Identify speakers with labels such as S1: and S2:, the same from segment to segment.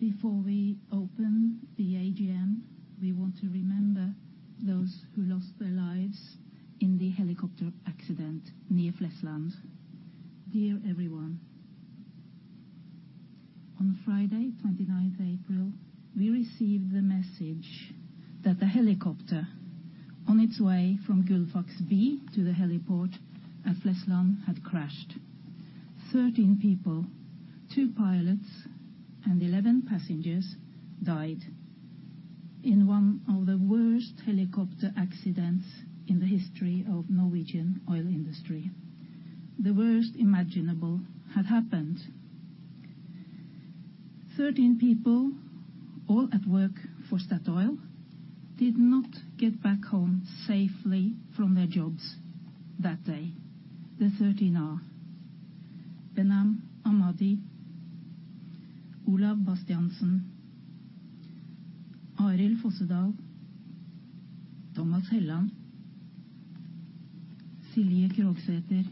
S1: Before we open the AGM, we want to remember those who lost their lives in the helicopter accident near Flesland. Dear everyone, on Friday, 29th April, we received the message that the helicopter on its way from Gullfaks B to the heliport at Flesland had crashed. 13 people, two pilots and 11 passengers, died in one of the worst helicopter accidents in the history of Norwegian oil industry. The worst imaginable had happened. 13 people, all at work for Statoil, did not get back home safely from their jobs that day. The thirteen are Behnam Ahmadi, Olav Bastiansen, Arild Fossedal, Tomas Helland, Silje Ye Rim Veivåg Kroghsæter,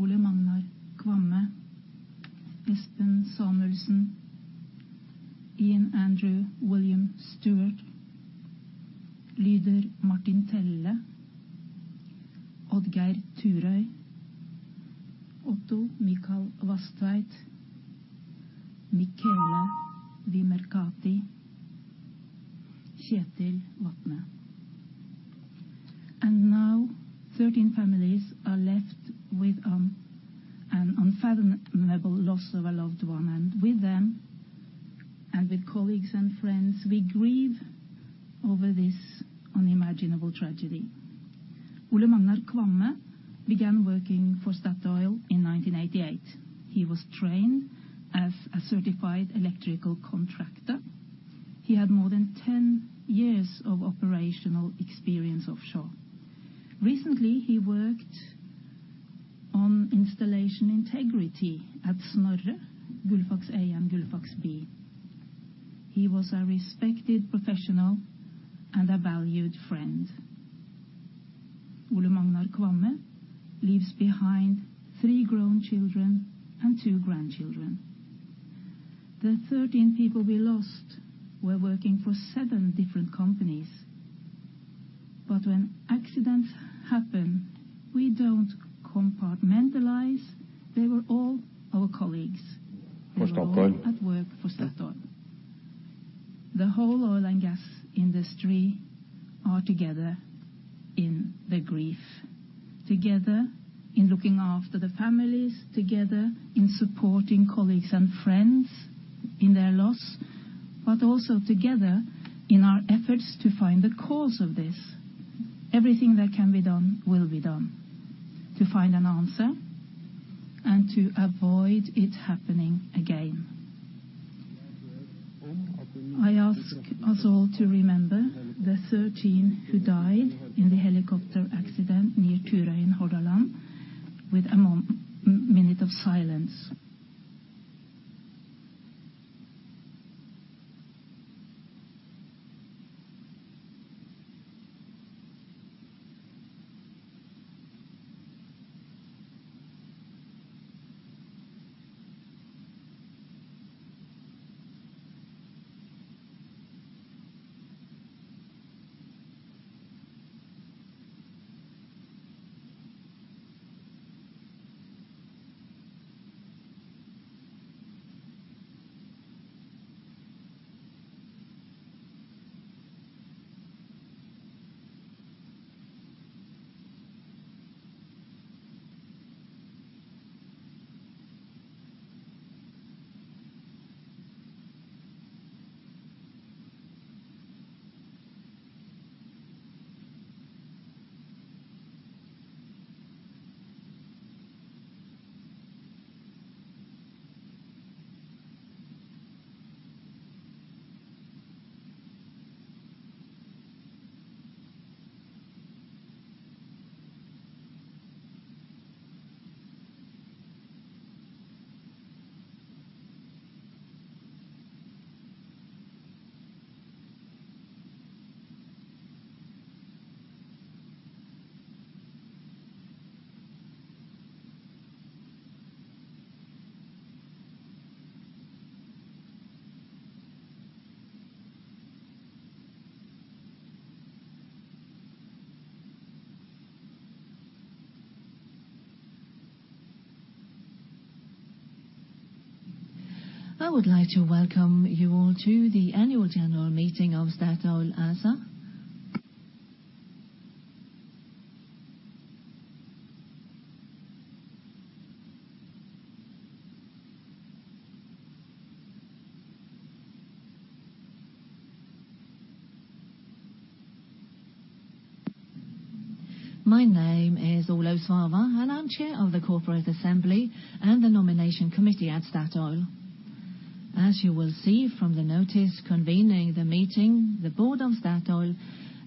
S1: Ole Magnar Kvamme, Espen Samuelsen, Iain Stuart, Lyder Martin Telle, Odd Geir Turøy, Otto Mikael Vågsæther, Michela Vimercati, Kjetil Wathne. Now 13 families are left with an unfathomable loss of a loved one, and with them, and with colleagues and friends, we grieve over this unimaginable tragedy. Ole Magnar Kvamme began working for Statoil in 1988. He was trained as a certified electrical contractor. He had more than 10 years of operational experience offshore. Recently, he worked on installation integrity at Snorre, Gullfaks A and Gullfaks B. He was a respected professional and a valued friend. Ole Magnar Kvamme leaves behind three grown children and two grandchildren. The 13 people we lost were working for seven different companies. When accidents happen, we don't compartmentalize. They were all our colleagues. For Statoil. They were all at work for Statoil. The whole oil and gas industry are together in the grief, together in looking after the families, together in supporting colleagues and friends in their loss, but also together in our efforts to find the cause of this. Everything that can be done will be done to find an answer and to avoid it happening again. I ask us all to remember the 13 who died in the helicopter accident near Turøy in Hordaland with a minute of silence. I would like to welcome you all to the annual general meeting of Statoil ASA. My name is Olaug Svarva, and I'm Chair of the Corporate Assembly and the Nomination Committee at Statoil. As you will see from the notice convening the meeting, the Board of Statoil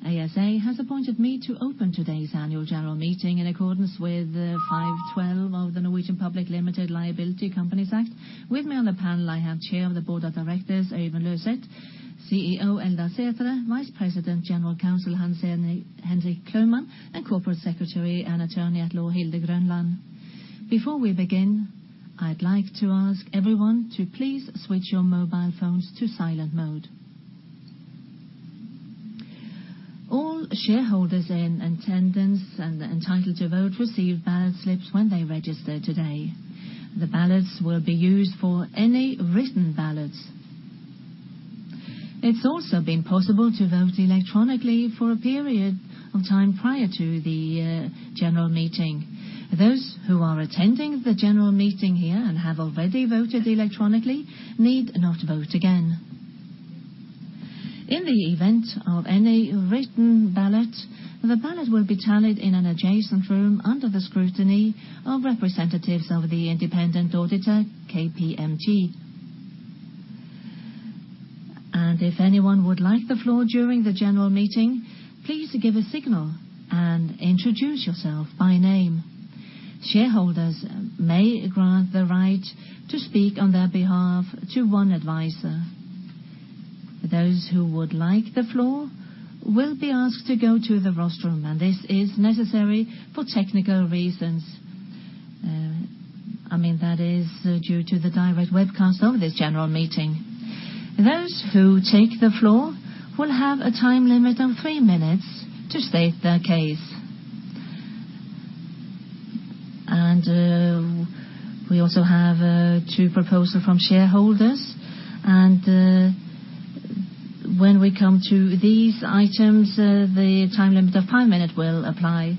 S1: ASA has appointed me to open today's annual general meeting in accordance with 5-12 of the Norwegian Public Limited Liability Companies Act. With me on the panel, I have Chair of the Board of Directors, Øystein Løseth, CEO Eldar Sætre, Vice President General Counsel Hans Henrik Klouman, and Corporate Secretary and Attorney at Law Hilde Grønland. Before we begin, I'd like to ask everyone to please switch your mobile phones to silent mode. All shareholders in attendance and entitled to vote received ballot slips when they registered today. The ballots will be used for any written ballots. It's also been possible to vote electronically for a period of time prior to the general meeting. Those who are attending the general meeting here and have already voted electronically need not vote again. In the event of any written ballot, the ballot will be tallied in an adjacent room under the scrutiny of representatives of the independent auditor, KPMG. If anyone would like the floor during the general meeting, please give a signal and introduce yourself by name. Shareholders may grant the right to speak on their behalf to one advisor. Those who would like the floor will be asked to go to the rostrum, and this is necessary for technical reasons. I mean, that is due to the direct webcast of this general meeting. Those who take the floor will have a time limit of three minutes to state their case. We also have two proposals from shareholders. When we come to these items, the time limit of five minutes will apply.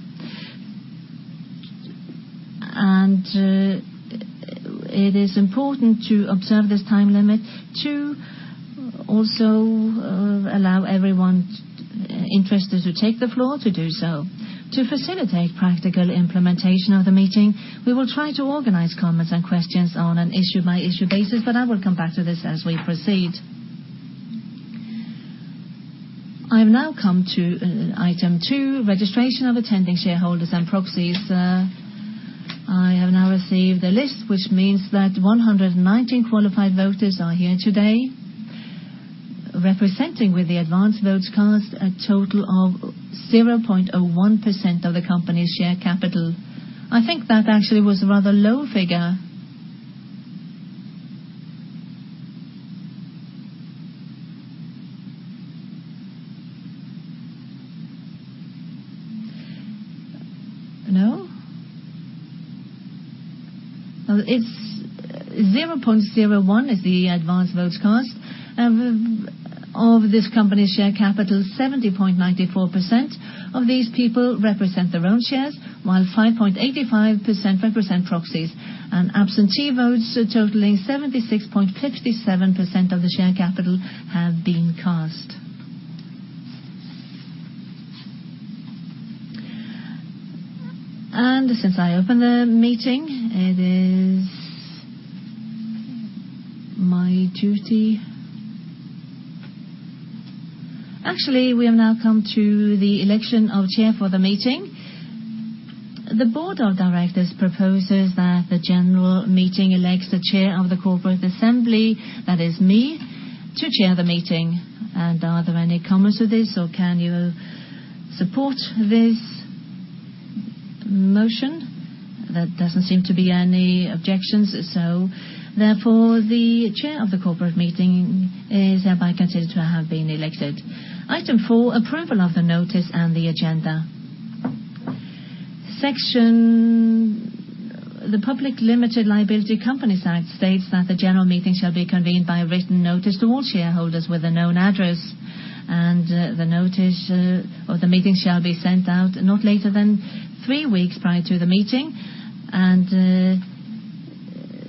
S1: It is important to observe this time limit to also allow everyone interested to take the floor to do so. To facilitate practical implementation of the meeting, we will try to organize comments and questions on an issue-by-issue basis, but I will come back to this as we proceed. I have now come to item two, registration of attending shareholders and proxies. I have now received the list, which means that 119 qualified voters are here today, representing, with the advance votes cast, a total of 0.01% of the company's share capital. I think that actually was a rather low figure. No? Well, it's 0.01 is the advance votes cast. Of this company's share capital, 70.94% of these people represent their own shares, while 5.85% represent proxies. Absentee votes totaling 76.57% of the share capital have been cast. Since I opened the meeting, it is my duty. Actually, we have now come to the election of chair for the meeting. The board of directors proposes that the general meeting elects the Chair of the Corporate Assembly, that is me, to chair the meeting. Are there any comments with this, or can you support this motion? There doesn't seem to be any objections, so therefore, the chair of the corporate meeting is hereby considered to have been elected. Item four, approval of the notice and the agenda. Section, the Public Limited Liability Companies Act states that the general meeting shall be convened by a written notice to all shareholders with a known address, and, the notice, or the meeting shall be sent out not later than three weeks prior to the meeting.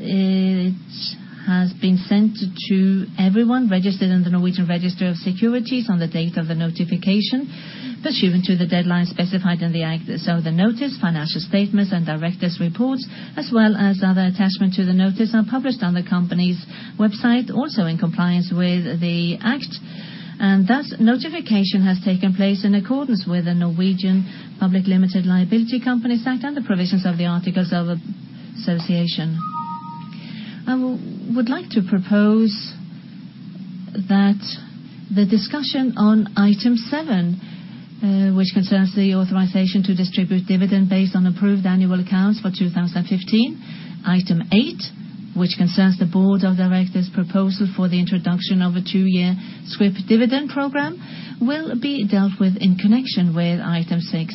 S1: It has been sent to everyone registered in the Norwegian Registry of Securities on the date of the notification pursuant to the deadline specified in the act. The notice, financial statements, and directors' reports, as well as other attachments to the notice, are published on the company's website, also in compliance with the act. Thus notification has taken place in accordance with the Norwegian Public Limited Liability Companies Act and the provisions of the articles of association. I would like to propose that the discussion on item seven, which concerns the authorization to distribute dividend based on approved annual accounts for 2015, item eight, which concerns the board of directors' proposal for the introduction of a two-year scrip dividend program, will be dealt with in connection with item six.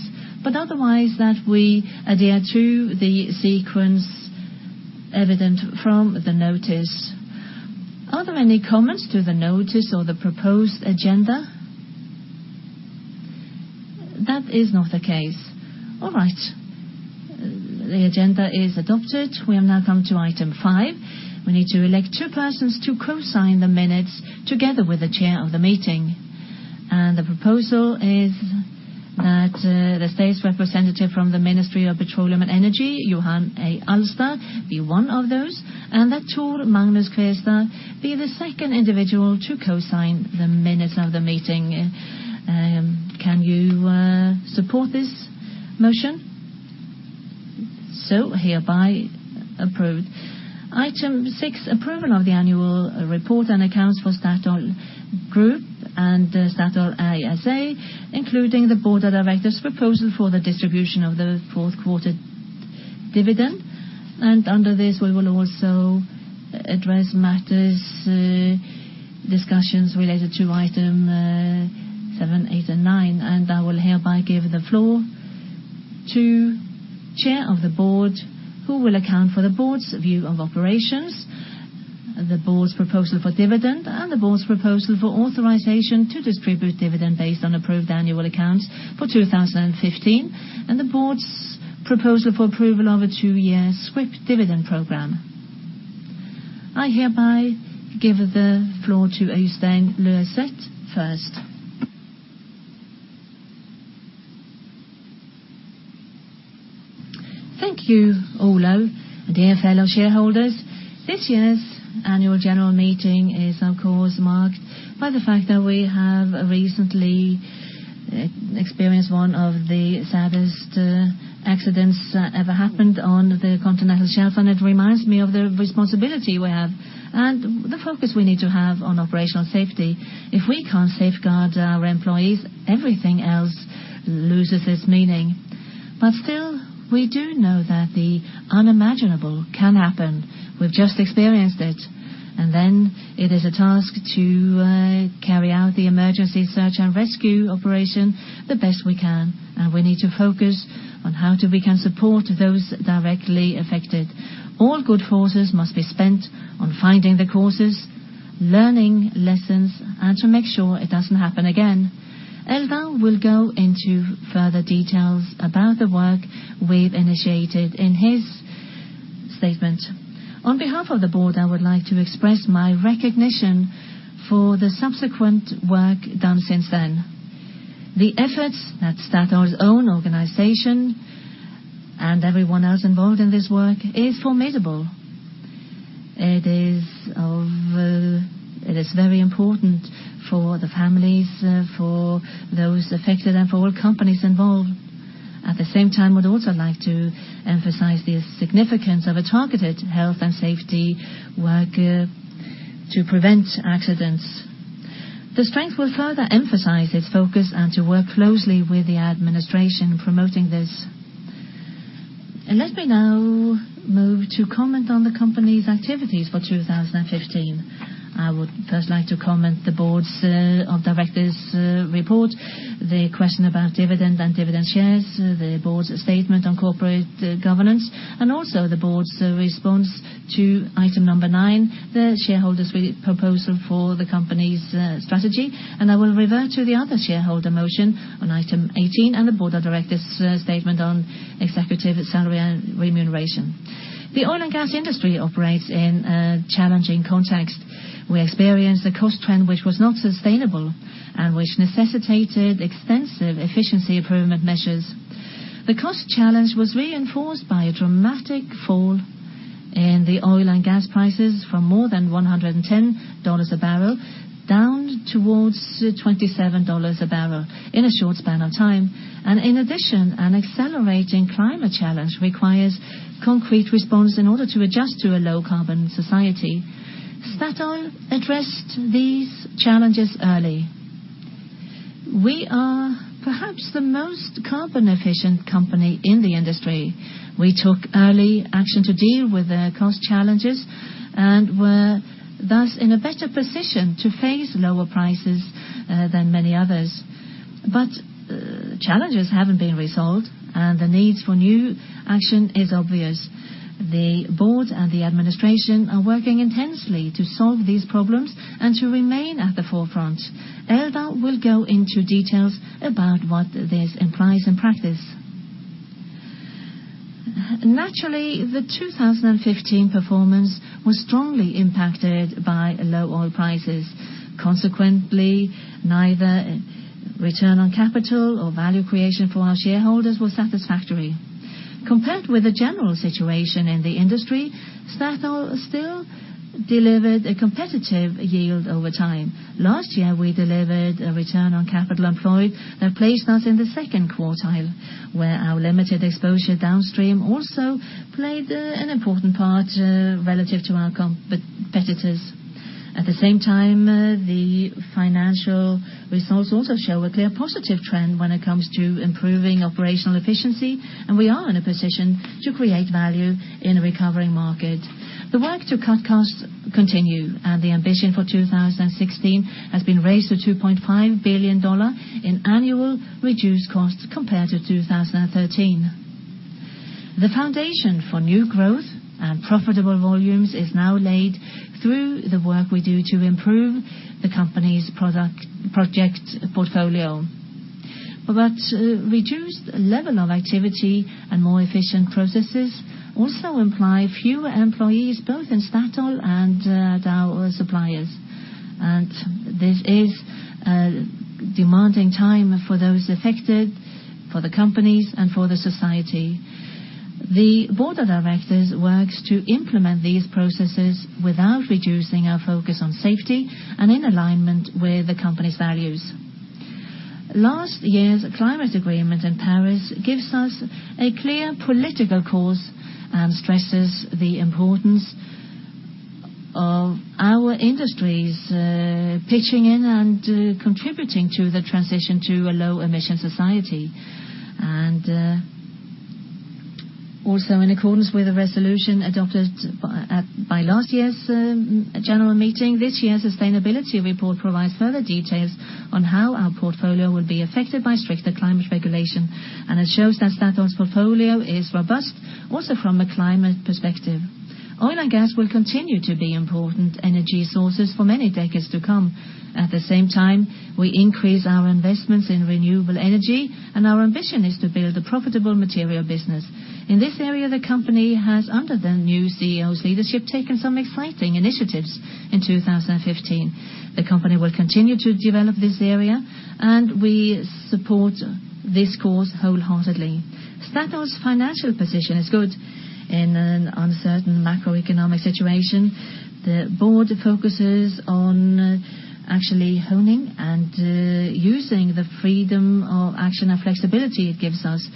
S1: Otherwise, that we adhere to the sequence evident from the notice. Are there any comments to the notice or the proposed agenda? That is not the case. All right. The agenda is adopted. We have now come to item five. We need to elect two persons to co-sign the minutes together with the chair of the meeting. The proposal is that the state's representative from the Ministry of Petroleum and Energy, Johan A. Alvestad be one of those, and that Tor Magnus Kvestad be the second individual to co-sign the minutes of the meeting. Can you support this motion? Hereby approved. Item six, approval of the annual report and accounts for Statoil Group and Statoil ASA, including the board of directors' proposal for the distribution of the fourth quarter dividend. Under this, we will also address matters, discussions related to item seven, eight, and nine. I will hereby give the floor to Chair of the board, who will account for the board's view of operations, the board's proposal for dividend, and the board's proposal for authorization to distribute dividend based on approved annual accounts for 2015, and the board's proposal for approval of a two-year scrip dividend program. I hereby give the floor to Øystein Løseth first.
S2: Thank you, Ole. Dear fellow shareholders, this year's annual general meeting is, of course, marked by the fact that we have recently experienced one of the saddest accidents that ever happened on the continental shelf. It reminds me of the responsibility we have and the focus we need to have on operational safety. If we can't safeguard our employees, everything else loses its meaning. Still, we do know that the unimaginable can happen. We've just experienced it. Then it is a task to carry out the emergency search and rescue operation the best we can. We need to focus on how we can support those directly affected. All good forces must be spent on finding the causes, learning lessons, and to make sure it doesn't happen again. Eldar will go into further details about the work we've initiated in his statement. On behalf of the board, I would like to express my recognition for the subsequent work done since then. The efforts at Statoil's own organization and everyone else involved in this work is formidable. It is very important for the families, for those affected and for all companies involved. At the same time, I would also like to emphasize the significance of a targeted health and safety work to prevent accidents. The strength will further emphasize its focus and to work closely with the administration promoting this. Let me now move to comment on the company's activities for 2015. I would first like to comment the Board's of Directors' report, the question about dividend and dividend shares, the board's statement on corporate governance, and also the board's response to item number nine, the shareholders' re-proposal for the company's strategy. I will revert to the other shareholder motion on item 18 and the Board of Directors' statement on executive salary and remuneration. The oil and gas industry operates in a challenging context. We experienced a cost trend which was not sustainable and which necessitated extensive efficiency improvement measures. The cost challenge was reinforced by a dramatic fall in the oil and gas prices from more than $110 a barrel, down towards $27 a barrel in a short span of time. In addition, an accelerating climate challenge requires concrete response in order to adjust to a low-carbon society. Statoil addressed these challenges early. We are perhaps the most carbon-efficient company in the industry. We took early action to deal with the cost challenges and were, thus, in a better position to face lower prices than many others. Challenges haven't been resolved, and the needs for new action is obvious. The board and the administration are working intensely to solve these problems and to remain at the forefront. Eldar will go into details about what this implies in practice. Naturally, the 2015 performance was strongly impacted by low oil prices. Consequently, neither return on capital or value creation for our shareholders was satisfactory. Compared with the general situation in the industry, Statoil still delivered a competitive yield over time. Last year, we delivered a return on capital employed that placed us in the second quartile, where our limited exposure downstream also played an important part relative to our competitors. At the same time, the financial results also show a clear positive trend when it comes to improving operational efficiency, and we are in a position to create value in a recovering market. The work to cut costs continue, and the ambition for 2016 has been raised to $2.5 billion in annual reduced costs compared to 2013. The foundation for new growth and profitable volumes is now laid through the work we do to improve the company's project portfolio. Reduced level of activity and more efficient processes also imply fewer employees, both in Statoil and our suppliers. This is a demanding time for those affected, for the companies, and for the society. The Board of Directors works to implement these processes without reducing our focus on safety and in alignment with the company's values. Last year's climate agreement in Paris gives us a clear political course and stresses the importance of our industries pitching in and contributing to the transition to a low emission society. Also in accordance with the resolution adopted by last year's general meeting, this year's sustainability report provides further details on how our portfolio will be affected by stricter climate regulation. It shows that Statoil's portfolio is robust also from a climate perspective. Oil and gas will continue to be important energy sources for many decades to come. At the same time, we increase our investments in renewable energy, and our ambition is to build a profitable material business. In this area, the company has, under the new CEO's leadership, taken some exciting initiatives in 2015. The company will continue to develop this area, and we support this course wholeheartedly. Statoil's financial position is good in an uncertain macroeconomic situation. The board focuses on actually honing and using the freedom of action and flexibility it gives us.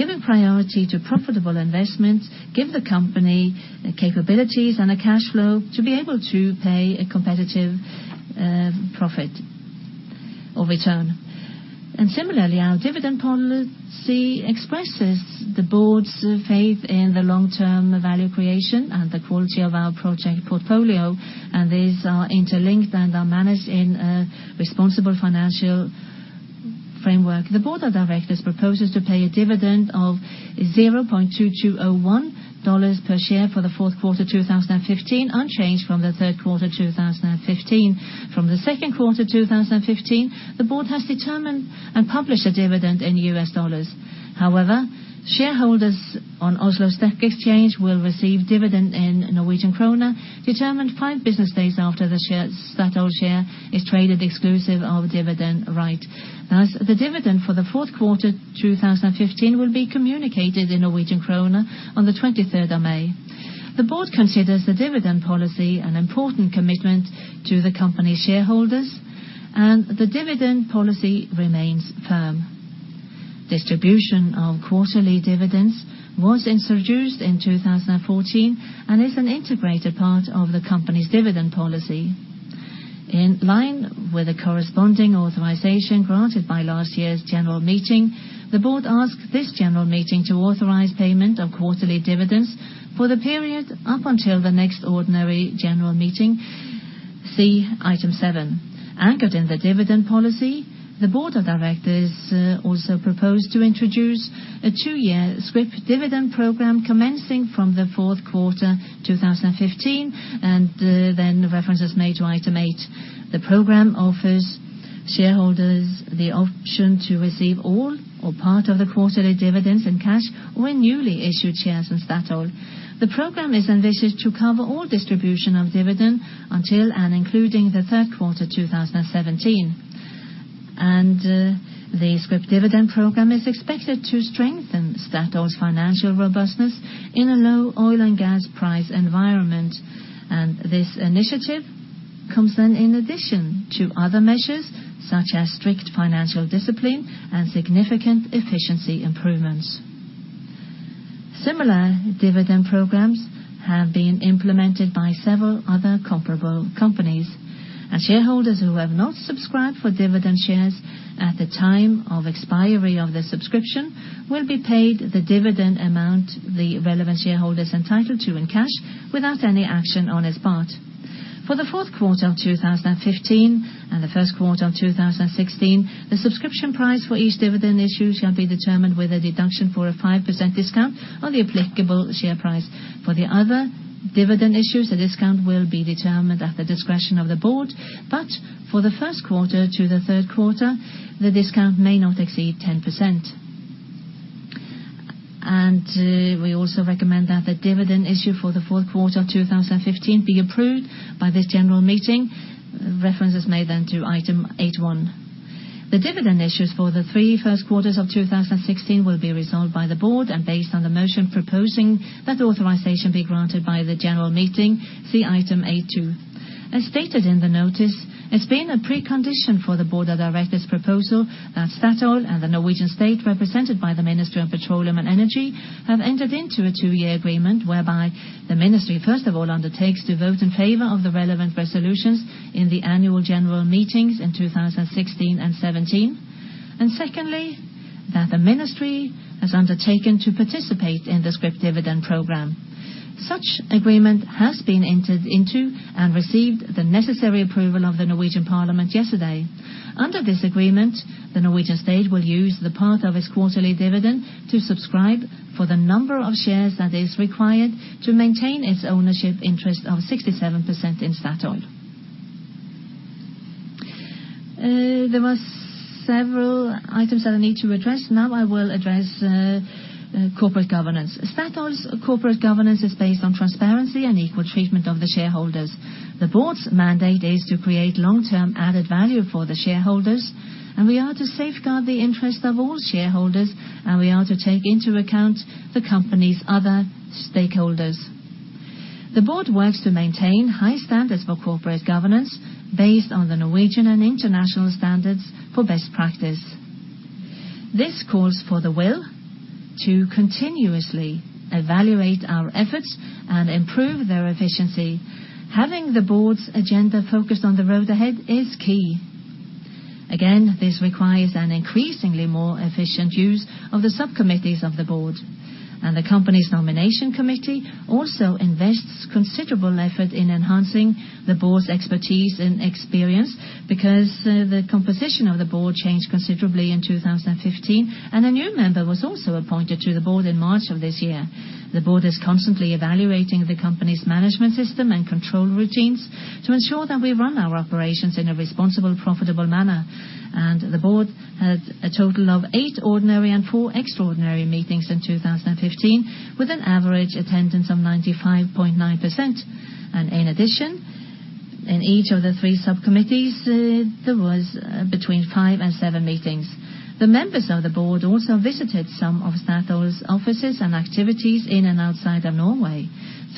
S2: Giving priority to profitable investments gives the company the capabilities and the cash flow to be able to pay a competitive profit or return. Similarly, our dividend policy expresses the board's faith in the long-term value creation and the quality of our project portfolio, and these are interlinked and are managed in a responsible financial framework. The board of directors proposes to pay a dividend of $0.2201 per share for the fourth quarter 2015, unchanged from the third quarter 2015. From the second quarter 2015, the board has determined and published a dividend in U.S. dollars. However, shareholders on Oslo Stock Exchange will receive dividend in Norwegian krone, determined five business days after the Statoil share is traded ex-dividend. Thus, the dividend for the fourth quarter 2015 will be communicated in Norwegian krone on the twenty-third of May. The board considers the dividend policy an important commitment to the company's shareholders, and the dividend policy remains firm. Distribution of quarterly dividends was introduced in 2014 and is an integrated part of the company's dividend policy. In line with the corresponding authorization granted by last year's general meeting, the board asked this general meeting to authorize payment of quarterly dividends for the period up until the next ordinary general meeting. See item seven. Anchored in the dividend policy, the board of directors also proposed to introduce a two-year scrip dividend program commencing from the fourth quarter 2015, and then reference is made to item eight. The program offers shareholders the option to receive all or part of the quarterly dividends in cash or in newly issued shares in Statoil. The program is envisioned to cover all distribution of dividend until and including the third quarter 2017. The scrip dividend program is expected to strengthen Statoil's financial robustness in a low oil and gas price environment. This initiative comes then in addition to other measures, such as strict financial discipline and significant efficiency improvements. Similar dividend programs have been implemented by several other comparable companies. Shareholders who have not subscribed for dividend shares at the time of expiry of the subscription will be paid the dividend amount the relevant shareholder is entitled to in cash without any action on his part. For the fourth quarter of 2015, and the first quarter of 2016, the subscription price for each dividend issue shall be determined with a deduction for a 5% discount on the applicable share price. For the other dividend issues, the discount will be determined at the discretion of the board. For the first quarter to the third quarter, the discount may not exceed 10%. We also recommend that the dividend issue for the fourth quarter of 2015 be approved by this general meeting. Reference is made then to item 8.1. The dividend issues for the three first quarters of 2016 will be resolved by the board and based on the motion proposing that the authorization be granted by the general meeting, see item 8.2. As stated in the notice, it's been a precondition for the board of directors' proposal that Statoil and the Norwegian state, represented by the Ministry of Petroleum and Energy, have entered into a two-year agreement whereby the ministry, first of all, undertakes to vote in favor of the relevant resolutions in the annual general meetings in 2016 and 2017. Secondly, that the ministry has undertaken to participate in the scrip dividend program. Such agreement has been entered into and received the necessary approval of the Norwegian parliament yesterday. Under this agreement, the Norwegian state will use the part of its quarterly dividend to subscribe for the number of shares that is required to maintain its ownership interest of 67% in Statoil. There were several items that I need to address. Now I will address corporate governance. Statoil's corporate governance is based on transparency and equal treatment of the shareholders. The board's mandate is to create long-term added value for the shareholders, and we are to safeguard the interests of all shareholders, and we are to take into account the company's other stakeholders. The board works to maintain high standards for corporate governance based on the Norwegian and international standards for best practice. This calls for the will to continuously evaluate our efforts and improve their efficiency. Having the board's agenda focused on the road ahead is key. Again, this requires an increasingly more efficient use of the sub-committees of the board, and the company's nomination committee also invests considerable effort in enhancing the board's expertise and experience because the composition of the board changed considerably in 2015, and a new member was also appointed to the board in March of this year. The board is constantly evaluating the company's management system and control routines to ensure that we run our operations in a responsible, profitable manner. The board had a total of eight ordinary and four extraordinary meetings in 2015, with an average attendance of 95.9%. In addition, in each of the three sub-committees, there was between five and seven meetings. The members of the board also visited some of Statoil's offices and activities in and outside of Norway.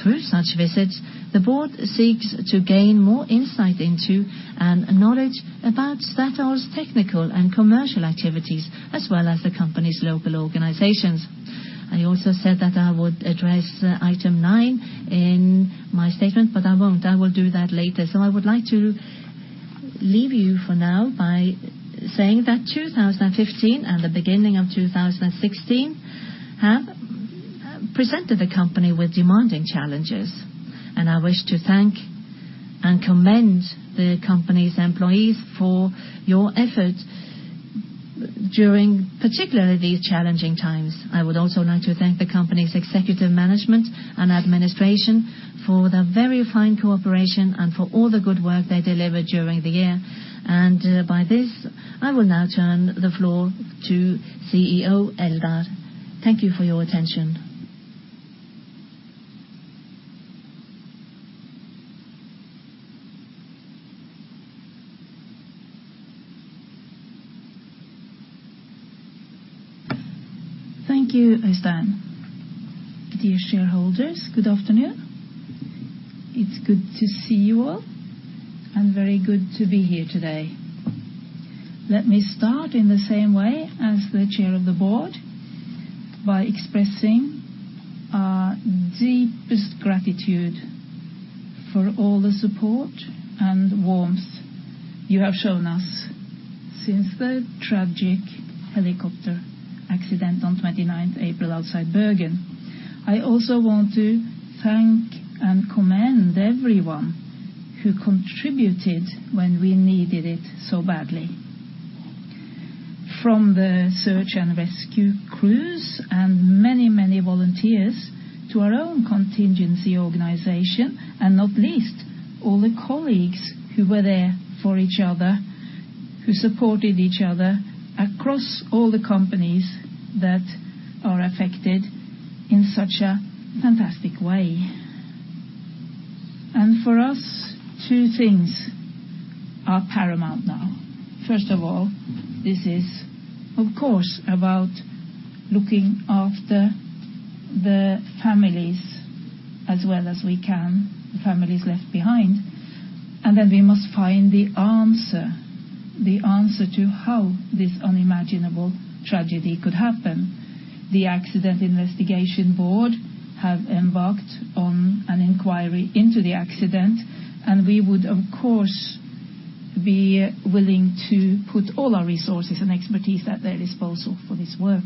S2: Through such visits, the board seeks to gain more insight into and knowledge about Statoil's technical and commercial activities as well as the company's local organizations. I also said that I would address item nine in my statement, but I won't. I will do that later. I would like to leave you for now by saying that 2015 and the beginning of 2016 have presented the company with demanding challenges, and I wish to thank and commend the company's employees for your effort during particularly these challenging times. I would also like to thank the company's executive management and administration for their very fine cooperation and for all the good work they delivered during the year. By this, I will now turn the floor to CEO Eldar. Thank you for your attention.
S3: Thank you, Øystein. Dear shareholders, good afternoon. It's good to see you all, and very good to be here today. Let me start in the same way as the chair of the board by expressing our deepest gratitude for all the support and warmth you have shown us since the tragic helicopter accident on twenty-ninth April outside Bergen. I also want to thank and commend everyone who contributed when we needed it so badly, from the search and rescue crews and many, many volunteers to our own contingency organization, and not least all the colleagues who were there for each other, who supported each other across all the companies that are affected in such a fantastic way. For us, two things are paramount now. First of all, this is of course about looking after the families as well as we can, the families left behind, and then we must find the answer to how this unimaginable tragedy could happen. The Accident Investigation Board have embarked on an inquiry into the accident, and we would of course be willing to put all our resources and expertise at their disposal for this work.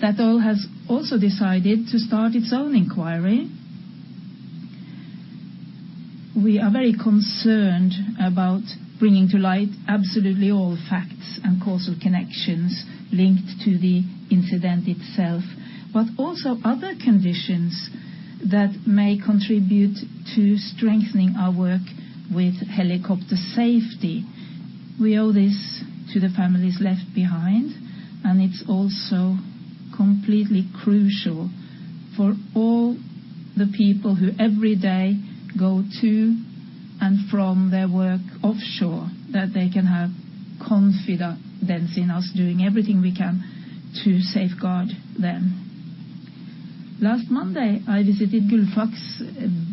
S3: Statoil has also decided to start its own inquiry. We are very concerned about bringing to light absolutely all facts and causal connections linked to the incident itself, but also other conditions that may contribute to strengthening our work with helicopter safety. We owe this to the families left behind, and it's also completely crucial for all the people who every day go to and from their work offshore that they can have confidence in us doing everything we can to safeguard them. Last Monday, I visited Gullfaks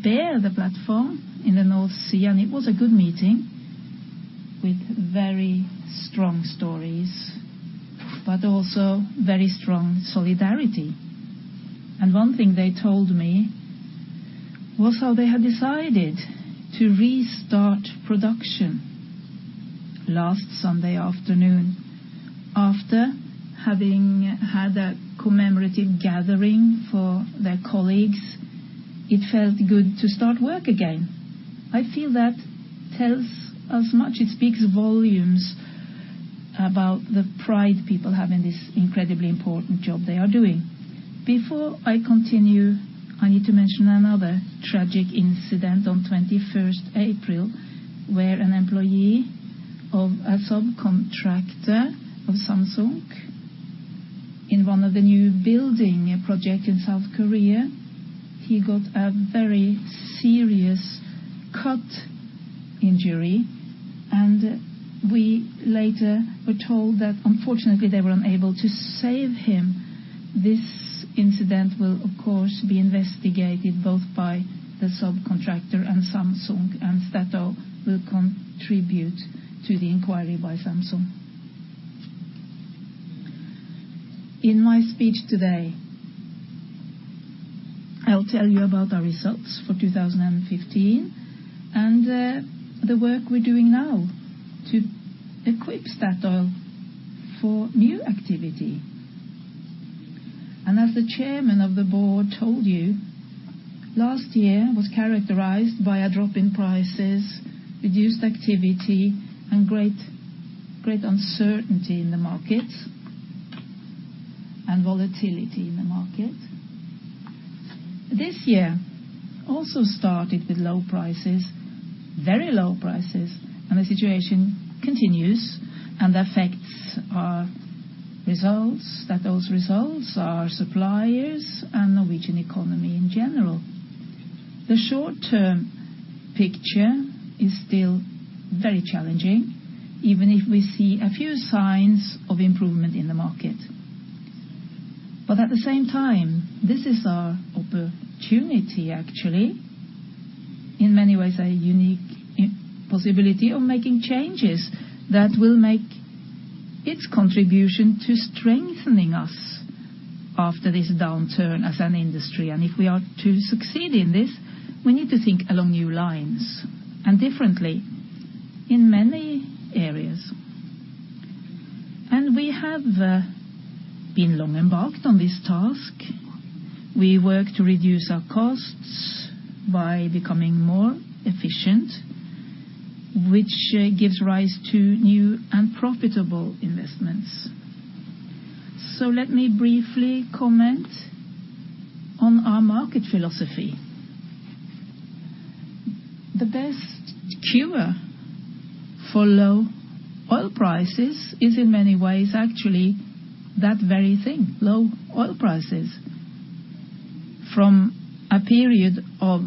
S3: B, the platform in the North Sea, and it was a good meeting with very strong stories, but also very strong solidarity. One thing they told me was how they had decided to restart production last Sunday afternoon. After having had a commemorative gathering for their colleagues, it felt good to start work again. I feel that tells us much. It speaks volumes about the pride people have in this incredibly important job they are doing. Before I continue, I need to mention another tragic incident on April 21, where an employee of a subcontractor of Samsung in one of the new building projects in South Korea got a very serious cut injury, and we later were told that unfortunately they were unable to save him. This incident will of course be investigated both by the subcontractor and Samsung, and Statoil will contribute to the inquiry by Samsung. In my speech today, I'll tell you about our results for 2015 and the work we're doing now to equip Statoil for new activity. As the chairman of the board told you, last year was characterized by a drop in prices, reduced activity, and great uncertainty in the markets and volatility in the market. This year also started with low prices, very low prices, and the situation continues and affects our results, Statoil's results, our suppliers, and Norwegian economy in general. The short-term picture is still very challenging, even if we see a few signs of improvement in the market. At the same time, this is our opportunity actually, in many ways, a unique possibility of making changes that will make its contribution to strengthening us after this downturn as an industry. If we are to succeed in this, we need to think along new lines and differently in many areas. We have been long embarked on this task. We work to reduce our costs by becoming more efficient, which gives rise to new and profitable investments. Let me briefly comment on our market philosophy. The best cure for low oil prices is in many ways actually that very thing, low oil prices. From a period of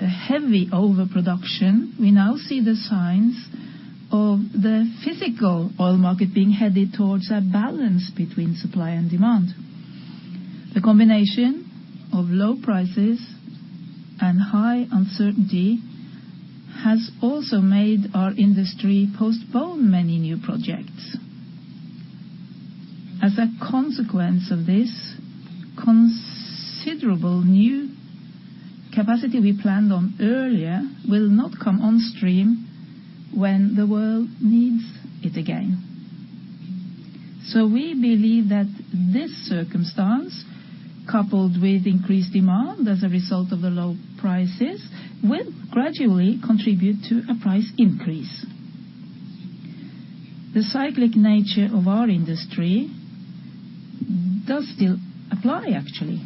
S3: heavy overproduction, we now see the signs of the physical oil market being headed towards a balance between supply and demand. The combination of low prices and high uncertainty has also made our industry postpone many new projects. As a consequence of this, considerable new capacity we planned on earlier will not come on stream when the world needs it again. We believe that this circumstance, coupled with increased demand as a result of the low prices, will gradually contribute to a price increase. The cyclic nature of our industry does still apply actually.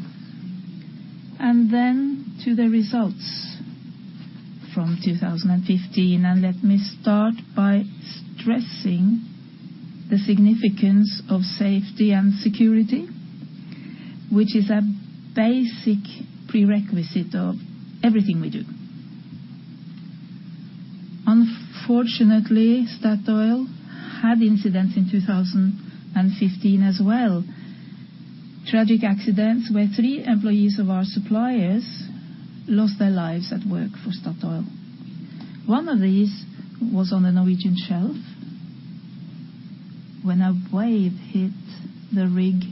S3: To the results from 2015, let me start by stressing the significance of safety and security, which is a basic prerequisite of everything we do. Unfortunately, Statoil had incidents in 2015 as well. Tragic accidents where three employees of our suppliers lost their lives at work for Statoil. One of these was on a Norwegian shelf when a wave hit the rig,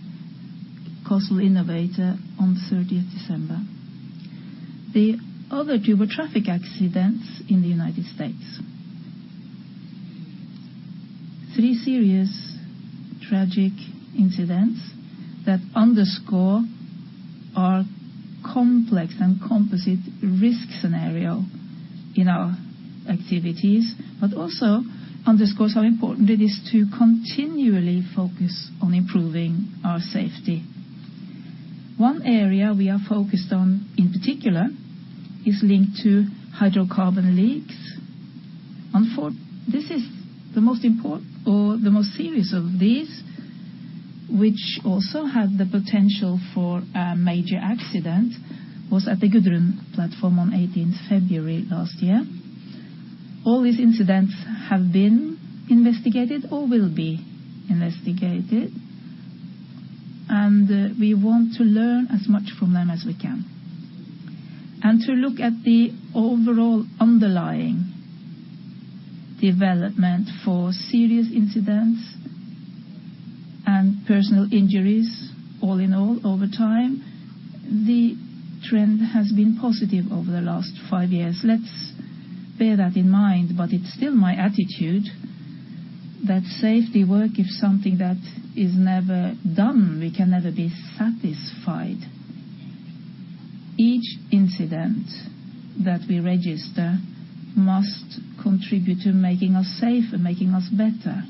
S3: COSL Innovator, on 30th December. The other two were traffic accidents in the United States. Three serious tragic incidents that underscore our complex and composite risk scenario in our activities, but also underscores how important it is to continually focus on improving our safety. One area we are focused on, in particular, is linked to hydrocarbon leaks. This is the most serious of these, which also had the potential for a major accident, was at the Gudrun platform on 18th February last year. All these incidents have been investigated or will be investigated, and we want to learn as much from them as we can. To look at the overall underlying development for serious incidents and personal injuries, all in all over time, the trend has been positive over the last five years. Let's bear that in mind, but it's still my attitude that safety work is something that is never done. We can never be satisfied. Each incident that we register must contribute to making us safe and making us better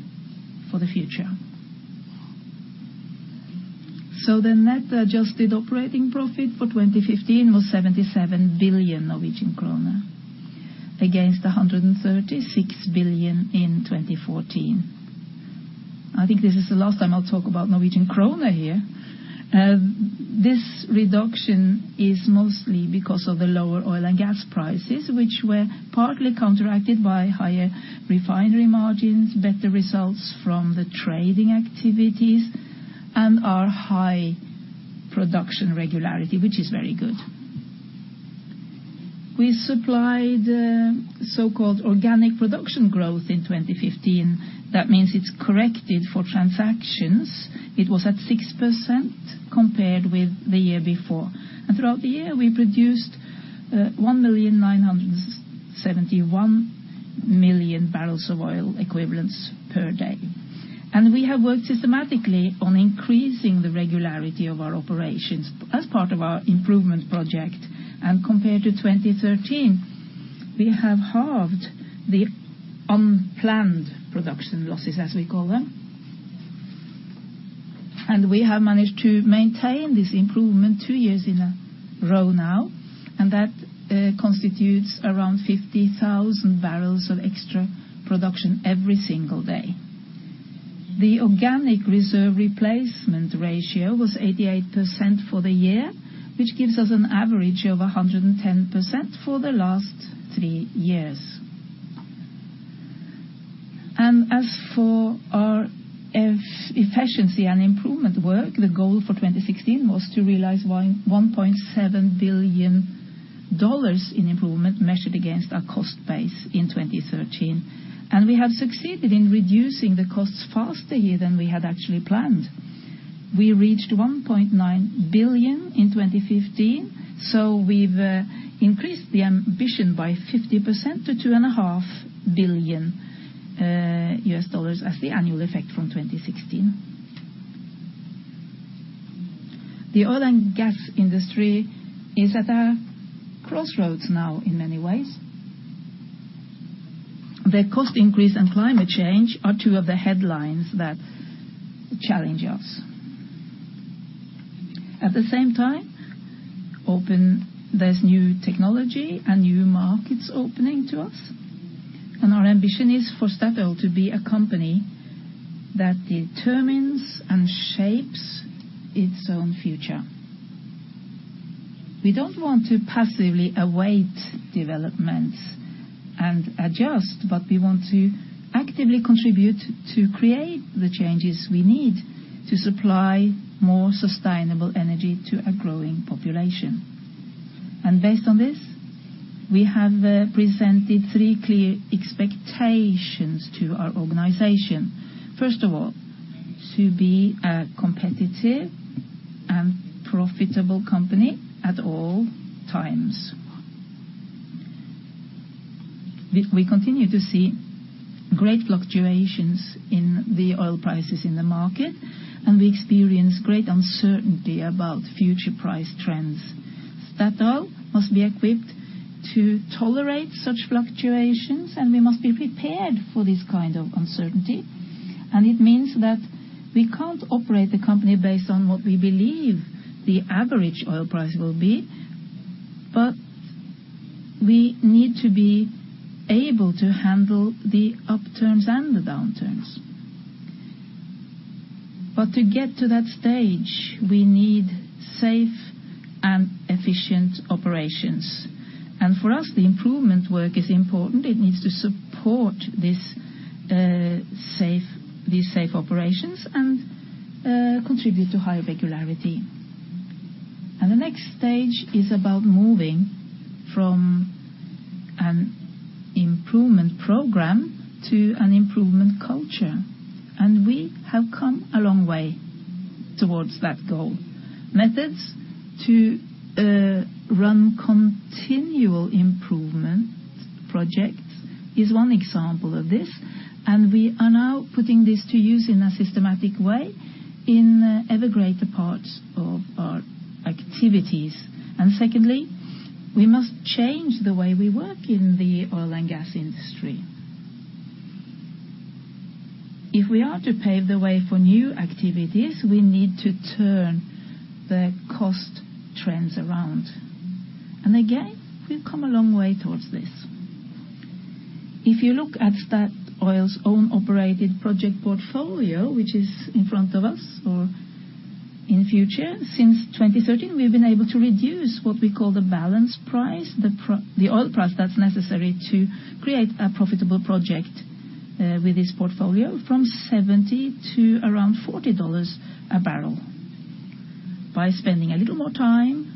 S3: for the future. The net adjusted operating profit for 2015 was 77 billion Norwegian krone against 136 billion in 2014. I think this is the last time I'll talk about Norwegian kroner here. This reduction is mostly because of the lower oil and gas prices, which were partly counteracted by higher refinery margins, better results from the trading activities, and our high production regularity, which is very good. We supplied the so-called organic production growth in 2015. That means it's corrected for transactions. It was at 6% compared with the year before. Throughout the year, we produced 1.971 million barrels of oil equivalents per day. We have worked systematically on increasing the regularity of our operations as part of our improvement project. Compared to 2013, we have halved the unplanned production losses, as we call them. We have managed to maintain this improvement two years in a row now, and that constitutes around 50,000 barrels of extra production every single day. The organic reserve replacement ratio was 88% for the year, which gives us an average of 110% for the last three years. As for our efficiency and improvement work, the goal for 2016 was to realize $1.7 billion in improvement measured against our cost base in 2013. We have succeeded in reducing the costs faster here than we had actually planned. We reached $1.9 billion in 2015, so we've increased the ambition by 50% to $2.5 billion as the annual effect from 2016. The oil and gas industry is at a crossroads now in many ways. The cost increase and climate change are two of the headlines that challenge us. At the same time, open. There's new technology and new markets opening to us, and our ambition is for Statoil to be a company that determines and shapes its own future. We don't want to passively await development and adjust, but we want to actively contribute to create the changes we need to supply more sustainable energy to a growing population. Based on this, we have presented three clear expectations to our organization. First of all, to be a competitive and profitable company at all times. We continue to see great fluctuations in the oil prices in the market, and we experience great uncertainty about future price trends. Statoil must be equipped to tolerate such fluctuations, and we must be prepared for this kind of uncertainty. It means that we can't operate the company based on what we believe the average oil price will be, but we need to be able to handle the upturns and the downturns. To get to that stage, we need safe and efficient operations. For us, the improvement work is important. It needs to support these safe operations and contribute to higher regularity. The next stage is about moving from an improvement program to an improvement culture, and we have come a long way towards that goal. Methods to run continual improvement projects is one example of this, and we are now putting this to use in a systematic way in ever greater parts of our activities. Secondly, we must change the way we work in the oil and gas industry. If we are to pave the way for new activities, we need to turn the cost trends around. Again, we've come a long way towards this. If you look at Statoil's own operated project portfolio, which is in front of us or in future, since 2013, we've been able to reduce what we call the breakeven price, the oil price that's necessary to create a profitable project, with this portfolio from $70 to around $40 a barrel. By spending a little more time,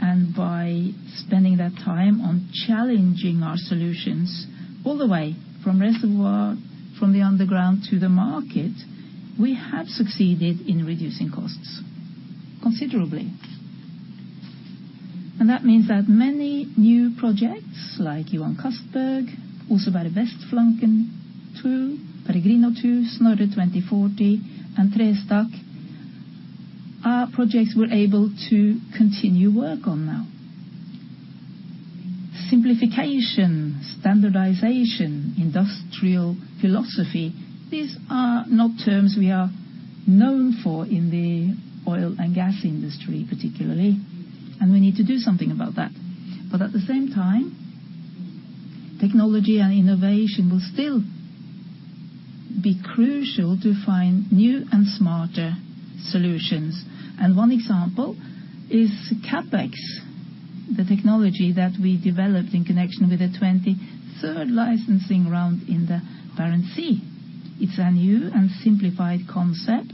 S3: and by spending that time on challenging our solutions all the way from reservoir, from the underground to the market, we have succeeded in reducing costs considerably. That means that many new projects like Johan Castberg, also in the Barents Sea too, Peregrino Phase 2, Snorre 2040, and Trestakk, are projects we're able to continue work on now. Simplification, standardization, industrial philosophy, these are not terms we are known for in the oil and gas industry particularly, and we need to do something about that. At the same time, technology and innovation will still be crucial to find new and smarter solutions. One example is CapEx, the technology that we developed in connection with the 23rd licensing round in the Barents Sea. It's a new and simplified concept.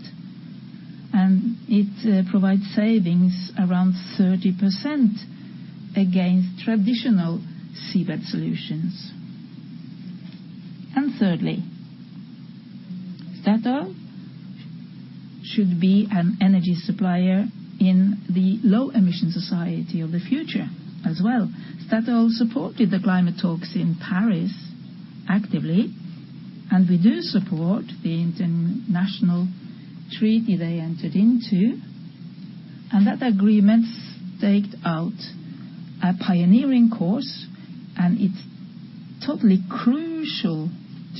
S3: It provides savings around 30% against traditional seabed solutions. Thirdly, Statoil should be an energy supplier in the low emission society of the future as well. Statoil supported the climate talks in Paris actively, and we do support the international treaty they entered into. That agreement staked out a pioneering course, and it's totally crucial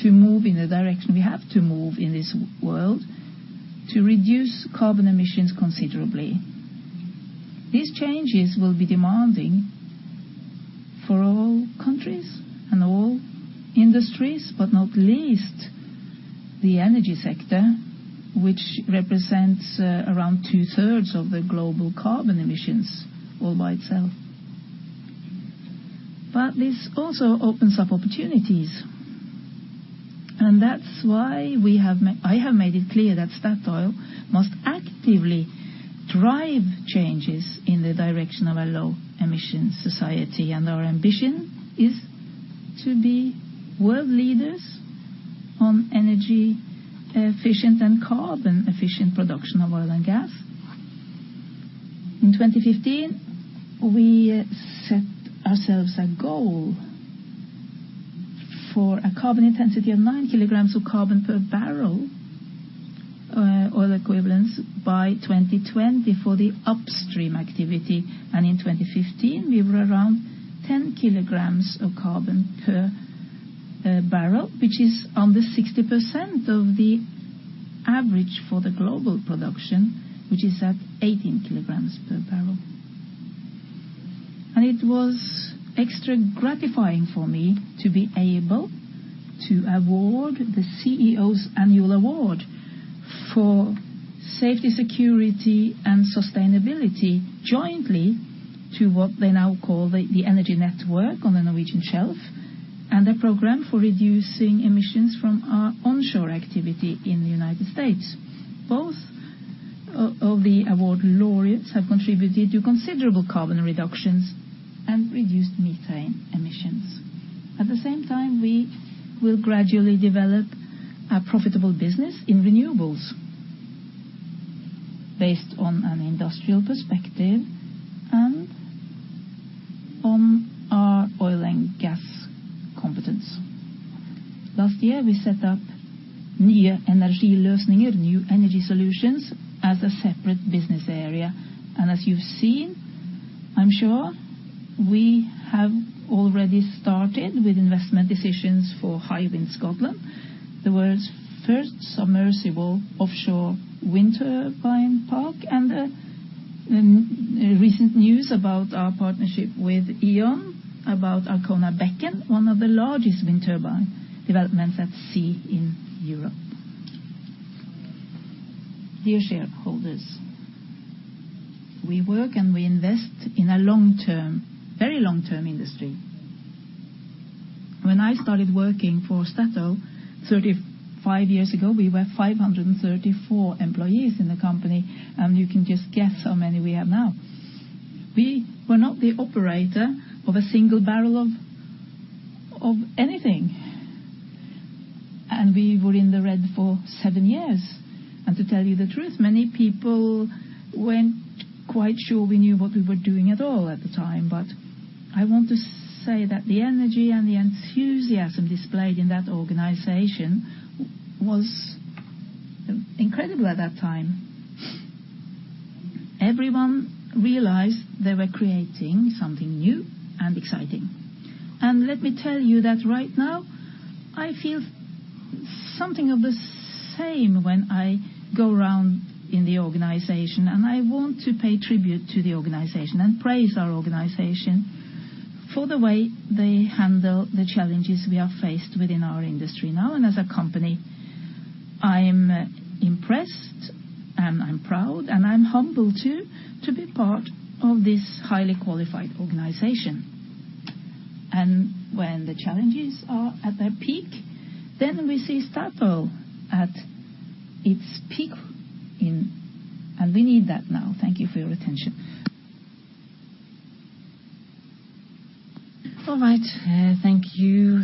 S3: to move in the direction we have to move in this world to reduce carbon emissions considerably. These changes will be demanding for all countries and all industries, but not least the energy sector, which represents around two-thirds of the global carbon emissions all by itself. This also opens up opportunities, and that's why I have made it clear that Statoil must actively drive changes in the direction of a low emission society, and our ambition is to be world leaders on energy efficient and carbon efficient production of oil and gas. In 2015, we set ourselves a goal for a carbon intensity of nine kilograms of carbon per barrel oil equivalence by 2020 for the upstream activity. In 2015, we were around 10 kilograms of carbon per barrel, which is under 60% of the average for the global production, which is at 18 kilograms per barrel. It was extra gratifying for me to be able to award the CEO's Annual Award for safety, security, and sustainability jointly to what they now call the energy network on the Norwegian Shelf and a program for reducing emissions from our onshore activity in the United States. Both of the award laureates have contributed to considerable carbon reductions and reduced methane emissions. At the same time, we will gradually develop a profitable business in renewables based on an industrial perspective and on our oil and gas competence. Last year, we set up Nye energiløsninger, New Energy Solutions, as a separate business area. As you've seen, I'm sure, we have already started with investment decisions for Hywind Scotland, the world's first submersible offshore wind turbine park, and recent news about our partnership with E.ON about Arkona Becken Süd-Ost, one of the largest wind turbine developments at sea in Europe. Dear shareholders, we work and we invest in a long-term, very long-term industry. When I started working for Statoil 35 years ago, we were 534 employees in the company, and you can just guess how many we are now. We were not the operator of a single barrel of anything, and we were in the red for seven years. To tell you the truth, many people weren't quite sure we knew what we were doing at all at the time. I want to say that the energy and the enthusiasm displayed in that organization was incredible at that time. Everyone realized they were creating something new and exciting. Let me tell you that right now I feel something of the same when I go around in the organization, and I want to pay tribute to the organization and praise our organization for the way they handle the challenges we are faced within our industry now and as a company. I am impressed, and I'm proud, and I'm humble too to be part of this highly qualified organization. When the challenges are at their peak, then we see Statoil at its peak in, and we need that now. Thank you for your attention. All right. Thank you,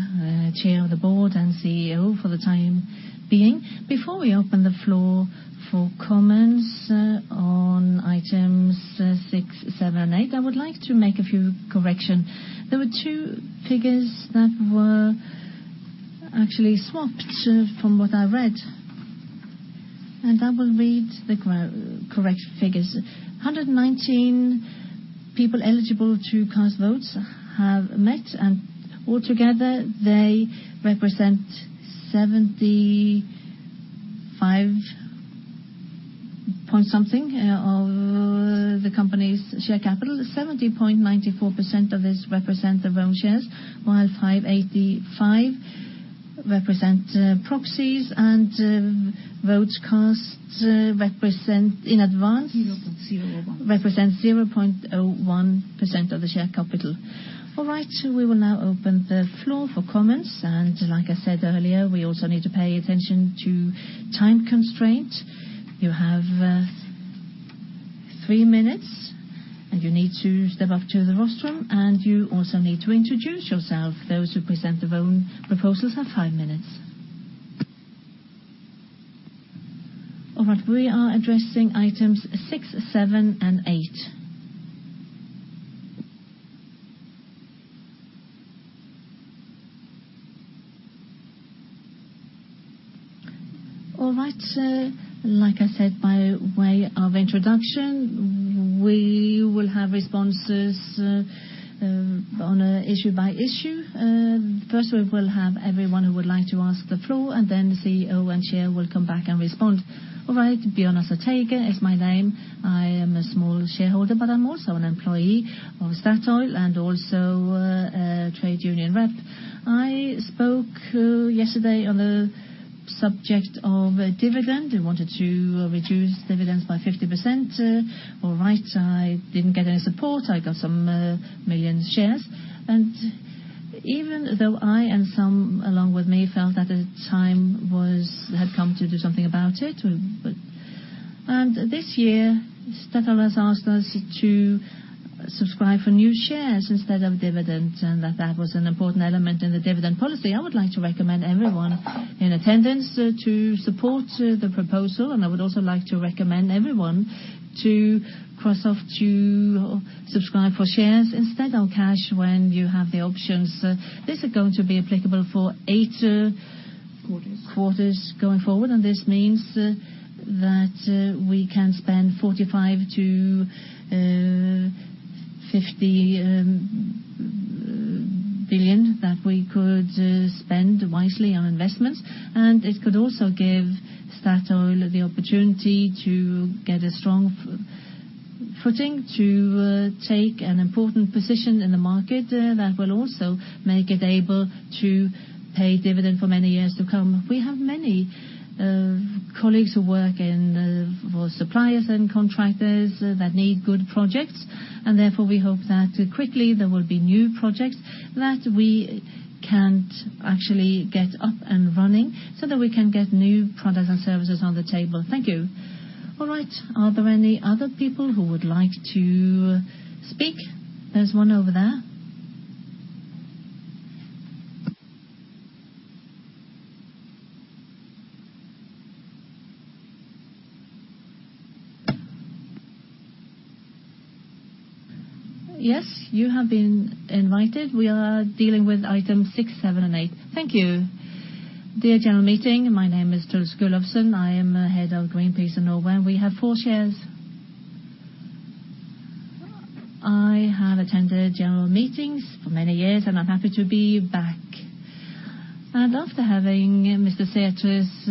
S3: Chair of the Board and CEO for the time being.
S1: Before we open the floor for comments on items six, seven, and eight, I would like to make a few correction. There were two figures that were actually swapped from what I read, and I will read the correct figures. 119 people eligible to cast votes have met, and altogether they represent 75 point something% of the company's share capital. 70.94% of this represent their own shares, while 5.85% represent proxies, and votes cast represent in advance. 0.01. Represent 0.01% of the share capital. All right. We will now open the floor for comments. Like I said earlier, we also need to pay attention to time constraint. You have, Three minutes, and you need to step up to the rostrum, and you also need to introduce yourself. Those who present their own proposals have five minutes. All right, we are addressing items six, seven, and eight. All right, sir, like I said, by way of introduction, we will have responses on an issue-by-issue. First, we will have everyone who would like to take the floor, and then CEO and Chair will come back and respond.
S4: All right, Bjørn Asle Teige is my name. I am a small shareholder, but I'm also an employee of Statoil and also a trade union rep. I spoke yesterday on the subject of a dividend. I wanted to reduce dividends by 50%. All right, I didn't get any support. I got some million shares. Even though I and some along with me felt that the time had come to do something about it. This year, Statoil has asked us to subscribe for new shares instead of dividends, and that was an important element in the dividend policy. I would like to recommend everyone in attendance to support the proposal, and I would also like to recommend everyone to opt to subscribe for shares instead of cash when you have the options. This is going to be applicable for eight quarters going forward, and this means that we can spend 45-50 billion that we could spend wisely on investments. It could also give Statoil the opportunity to get a strong footing to take an important position in the market that will also make it able to pay dividend for many years to come. We have many colleagues who work for suppliers and contractors that need good projects, and therefore, we hope that quickly there will be new projects that we can actually get up and running so that we can get new products and services on the table. Thank you.
S1: All right. Are there any other people who would like to speak? There's one over there. Yes, you have been invited. We are dealing with item six, seven, and eight.
S5: Thank you. Dear general meeting, my name is Truls Gulowsen. I am head of Greenpeace in Norway. We have four shares. I have attended general meetings for many years, and I'm happy to be back. After having Mr. Sætre's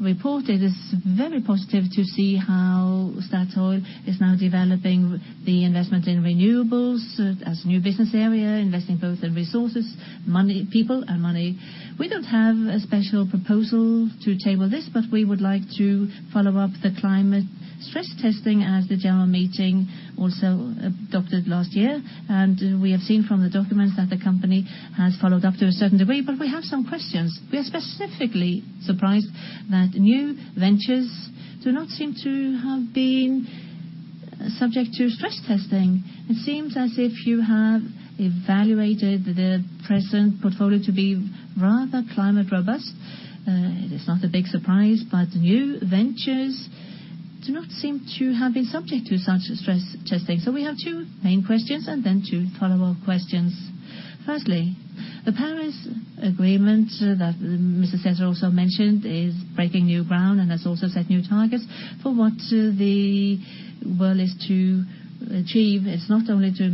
S5: report, it is very positive to see how Statoil is now developing the investment in renewables as new business area, investing both in resources, money, people and money. We don't have a special proposal to table this, but we would like to follow up the climate stress testing as the general meeting also adopted last year. We have seen from the documents that the company has followed up to a certain degree, but we have some questions. We are specifically surprised that new ventures do not seem to have been subject to stress testing. It seems as if you have evaluated the present portfolio to be rather climate-robust. It is not a big surprise, but new ventures do not seem to have been subject to such stress testing.
S1: We have two main questions and then two follow-up questions. Firstly, the Paris Agreement that Mr. Sætre also mentioned is breaking new ground and has also set new targets for what the world is to achieve. It's not only to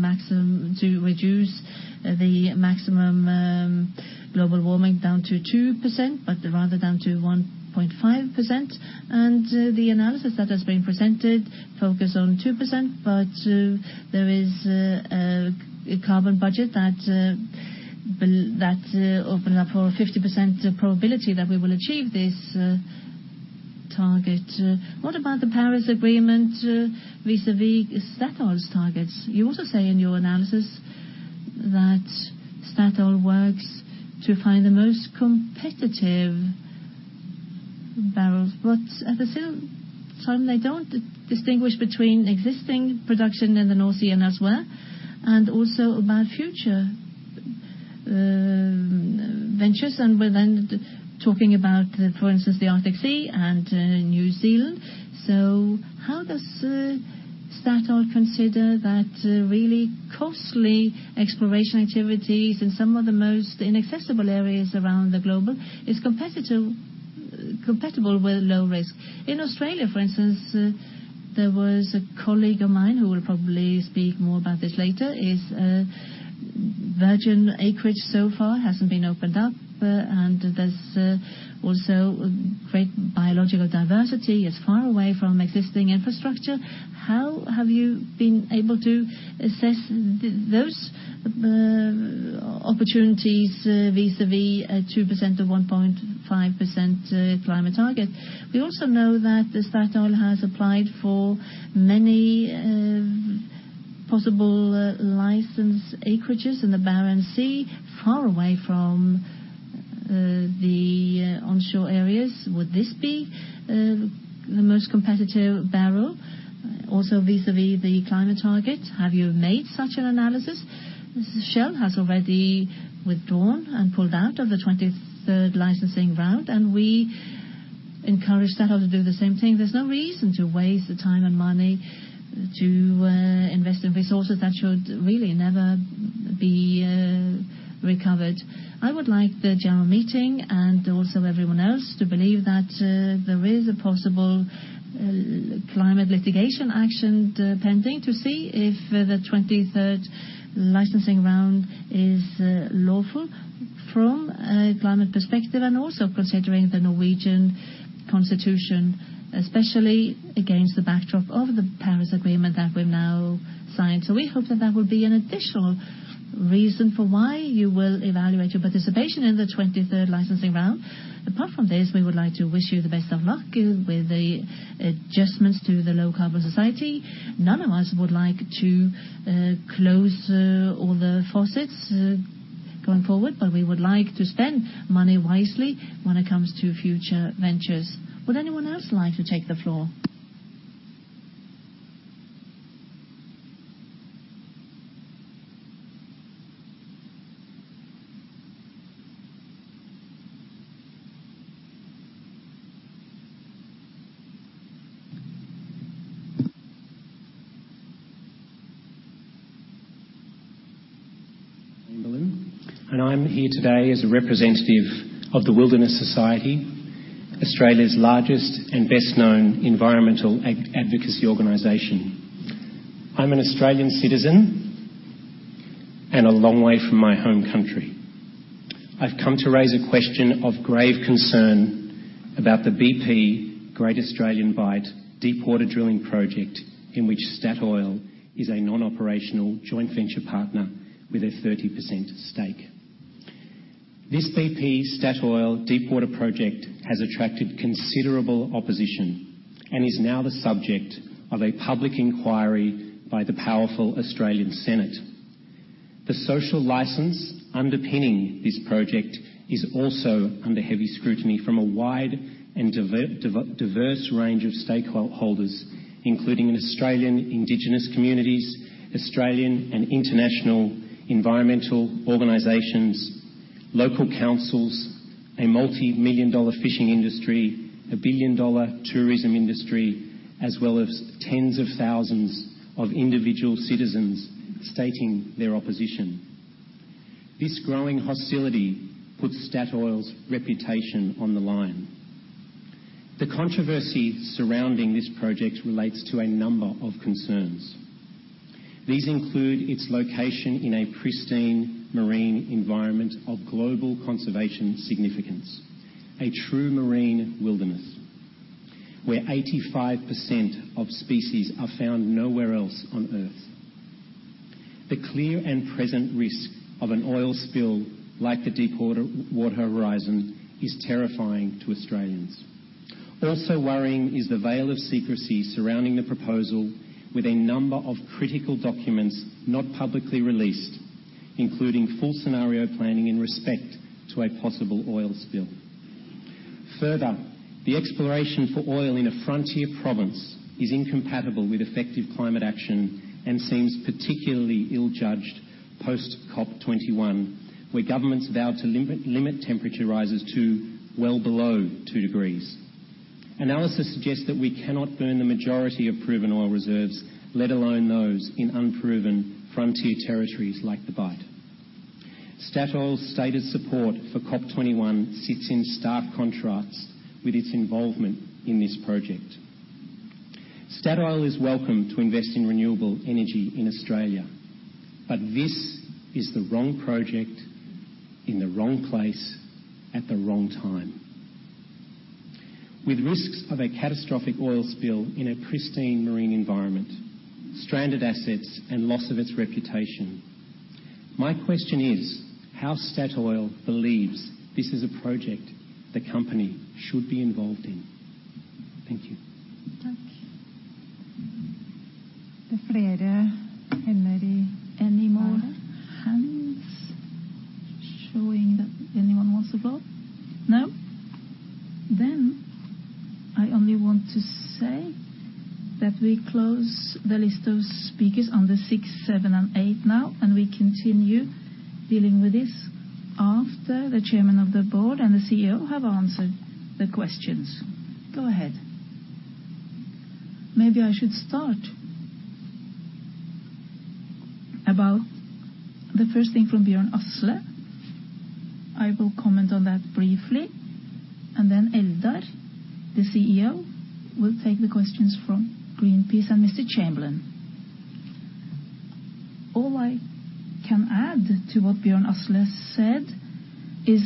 S1: reduce the maximum global warming down to 2%, but rather down to 1.5%. The analysis that has been presented focus on 2%, but there is a carbon budget that open up for a 50% probability that we will achieve this target. What about the Paris Agreement vis-à-vis Statoil's targets? You also say in your analysis that Statoil works to find the most competitive barrels. At the same time, they don't distinguish between existing production in the North Sea and elsewhere, and also about future ventures. We're then talking about, for instance, the Arctic Sea and New Zealand. How does Statoil consider that really costly exploration activities in some of the most inaccessible areas around the globe is competitive, compatible with low risk? In Australia, for instance, there was a colleague of mine who will probably speak more about this later, is virgin acreage so far hasn't been opened up, and there's also great biological diversity. It's far away from existing infrastructure. How have you been able to assess those opportunities vis-à-vis a 2%-1.5% climate target? We also know that Statoil has applied for many possible license acreages in the Barents Sea, far away from the onshore areas. Would this be the most competitive barrel also vis-à-vis the climate target? Have you made such an analysis? Shell has already withdrawn and pulled out of the 23rd licensing round, and we encourage Statoil to do the same thing. There's no reason to waste the time and money to invest in resources that should really never be recovered. I would like the general meeting, and also everyone else, to believe that there is a possible climate litigation action pending to see if the 23rd licensing round is lawful from a climate perspective and also considering the Norwegian constitution, especially against the backdrop of the Paris Agreement that we've now signed. We hope that that will be an additional reason for why you will evaluate your participation in the 23rd licensing round. Apart from this, we would like to wish you the best of luck with the adjustments to the low-carbon society. None of us would like to close all the faucets going forward, but we would like to spend money wisely when it comes to future ventures. Would anyone else like to take the floor?
S6: Chamberlain. I'm here today as a representative of The Wilderness Society, Australia's largest and best-known environmental advocacy organization. I'm an Australian citizen and a long way from my home country. I've come to raise a question of grave concern about the BP Great Australian Bight deepwater drilling project in which Statoil is a non-operational joint venture partner with a 30% stake. This BP-Statoil deepwater project has attracted considerable opposition and is now the subject of a public inquiry by the powerful Australian Senate. The social license underpinning this project is also under heavy scrutiny from a wide and diverse range of stakeholders, including Australian indigenous communities, Australian and international environmental organizations, local councils, a multi-million dollar fishing industry, a billion-dollar tourism industry, as well as tens of thousands of individual citizens stating their opposition. This growing hostility puts Statoil's reputation on the line. The controversy surrounding this project relates to a number of concerns. These include its location in a pristine marine environment of global conservation significance, a true marine wilderness where 85% of species are found nowhere else on Earth. The clear and present risk of an oil spill like the Deepwater Horizon is terrifying to Australians. Also worrying is the veil of secrecy surrounding the proposal with a number of critical documents not publicly released, including full scenario planning in respect to a possible oil spill. Further, the exploration for oil in a frontier province is incompatible with effective climate action and seems particularly ill-judged post-COP21, where governments vowed to limit temperature rises to well below two degrees. Analysis suggests that we cannot burn the majority of proven oil reserves, let alone those in unproven frontier territories like The Bight. Statoil's stated support for COP21 sits in stark contrast with its involvement in this project. Statoil is welcome to invest in renewable energy in Australia. This is the wrong project in the wrong place at the wrong time. With risks of a catastrophic oil spill in a pristine marine environment, stranded assets, and loss of its reputation, my question is how Statoil believes this is a project the company should be involved in. Thank you.
S1: Takk. Are there any more hands showing that anyone wants the floor? No? Then I only want to say that we close the list of speakers on the six, seven, and eight now, and we continue dealing with this after the chairman of the board and the CEO have answered the questions. Go ahead. Maybe I should start about the first thing from Bjørn Asle. I will comment on that briefly, and then Eldar, the CEO, will take the questions from Greenpeace and Mr. Chamberlain. All I can add to what Bjørn Asle said is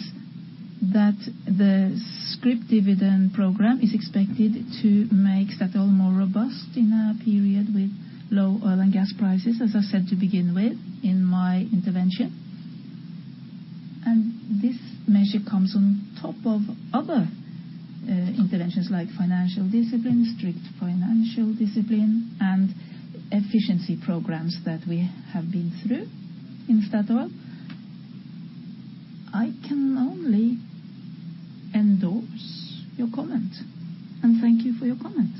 S1: that the scrip dividend program is expected to make Statoil more robust in a period with low oil and gas prices, as I said to begin with in my intervention.
S3: This measure comes on top of other interventions like financial discipline, strict financial discipline, and efficiency programs that we have been through in Statoil. I can only endorse your comment, and thank you for your comment.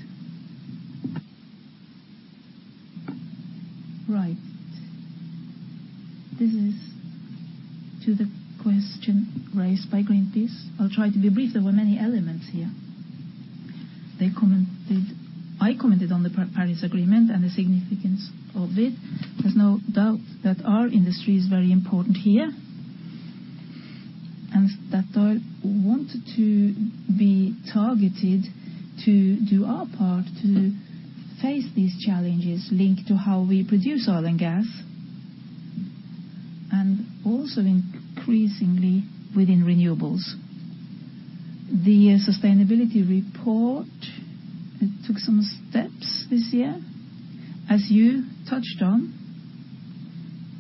S3: Right. This is to the question raised by Greenpeace. I'll try to be brief. There were many elements here. They commented, I commented on the Paris Agreement and the significance of it. There's no doubt that our industry is very important here, and that I wanted to be targeted to do our part to face these challenges linked to how we produce oil and gas, and also increasingly within renewables. The sustainability report, it took some steps this year. As you touched on,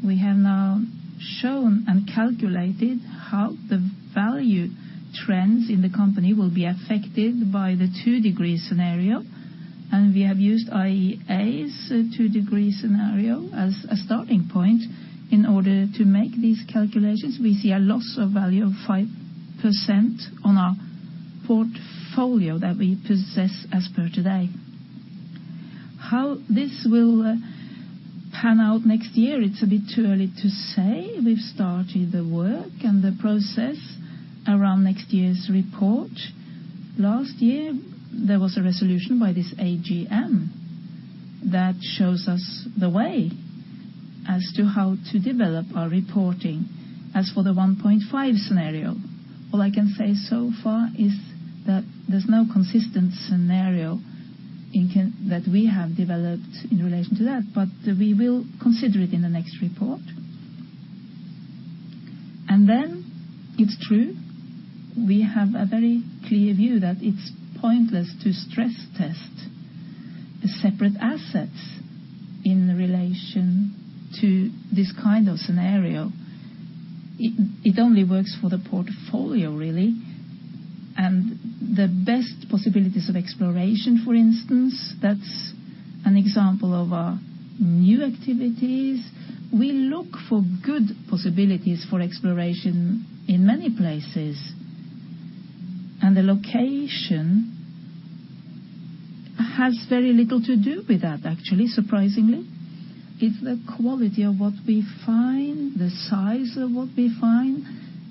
S3: we have now shown and calculated how the value trends in the company will be affected by the 2-degree scenario, and we have used IEA's 2-degree scenario as a starting point in order to make these calculations. We see a loss of value of 5% on our portfolio that we possess as per today. How this will pan out next year, it's a bit too early to say. We've started the work and the process around next year's report. Last year, there was a resolution by this AGM that shows us the way as to how to develop our reporting. As for the 1.5 scenario, all I can say so far is that there's no consistent scenario that we have developed in relation to that, but we will consider it in the next report. It's true, we have a very clear view that it's pointless to stress test the separate assets in relation to this kind of scenario. It only works for the portfolio really. The best possibilities of exploration, for instance, that's an example of our new activities. We look for good possibilities for exploration in many places, and the location has very little to do with that actually, surprisingly. It's the quality of what we find, the size of what we find,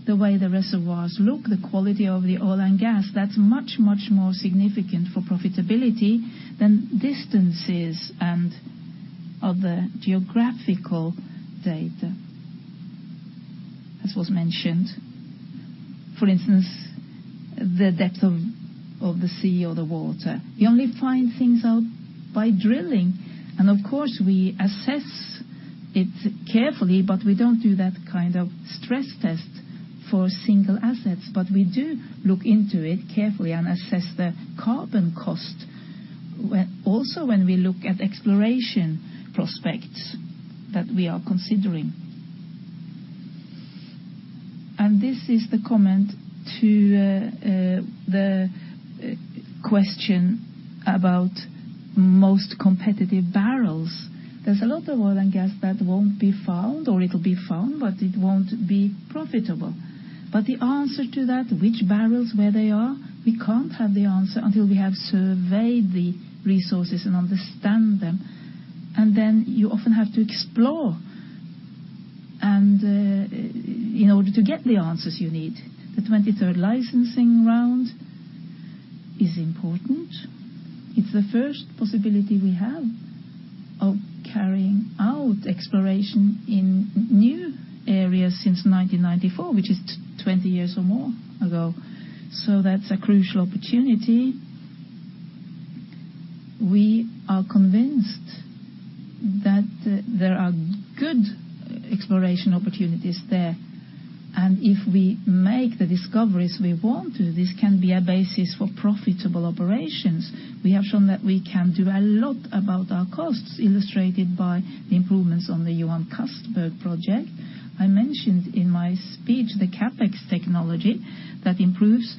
S3: the way the reservoirs look, the quality of the oil and gas. That's much, much more significant for profitability than distances and other geographical data, as was mentioned. For instance, the depth of the sea or the water. You only find things out by drilling. Of course, we assess it carefully, but we don't do that kind of stress test for single assets. We do look into it carefully and assess the carbon cost when we look at exploration prospects that we are considering. This is the comment on the question about most competitive barrels. There's a lot of oil and gas that won't be found, or it'll be found, but it won't be profitable. The answer to that, which barrels, where they are, we can't have the answer until we have surveyed the resources and understand them. Then you often have to explore and in order to get the answers you need. The 23rd licensing round is important. It's the first possibility we have of carrying out exploration in new areas since 1994, which is 20 years or more ago. That's a crucial opportunity. We are convinced that there are good exploration opportunities there, and if we make the discoveries we want to, this can be a basis for profitable operations. We have shown that we can do a lot about our costs illustrated by the improvements on the Johan Castberg project. I mentioned in my speech the CapEx technology that improves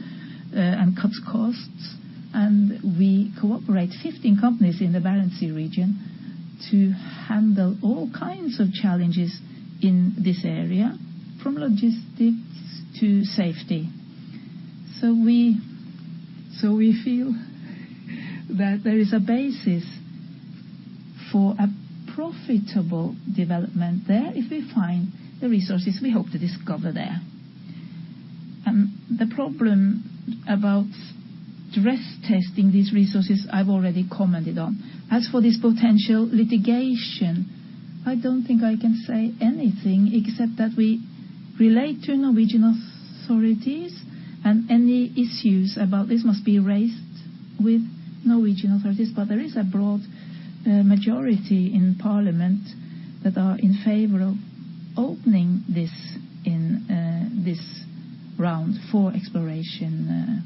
S3: and cuts costs, and we cooperate 15 companies in the Barents Sea region to handle all kinds of challenges in this area from logistics to safety. We feel that there is a basis for a profitable development there if we find the resources we hope to discover there. The problem about stress testing these resources, I've already commented on. As for this potential litigation, I don't think I can say anything except that we relate to Norwegian authorities, and any issues about this must be raised with Norwegian authorities. There is a broad majority in parliament that are in favor of opening this in this round for exploration.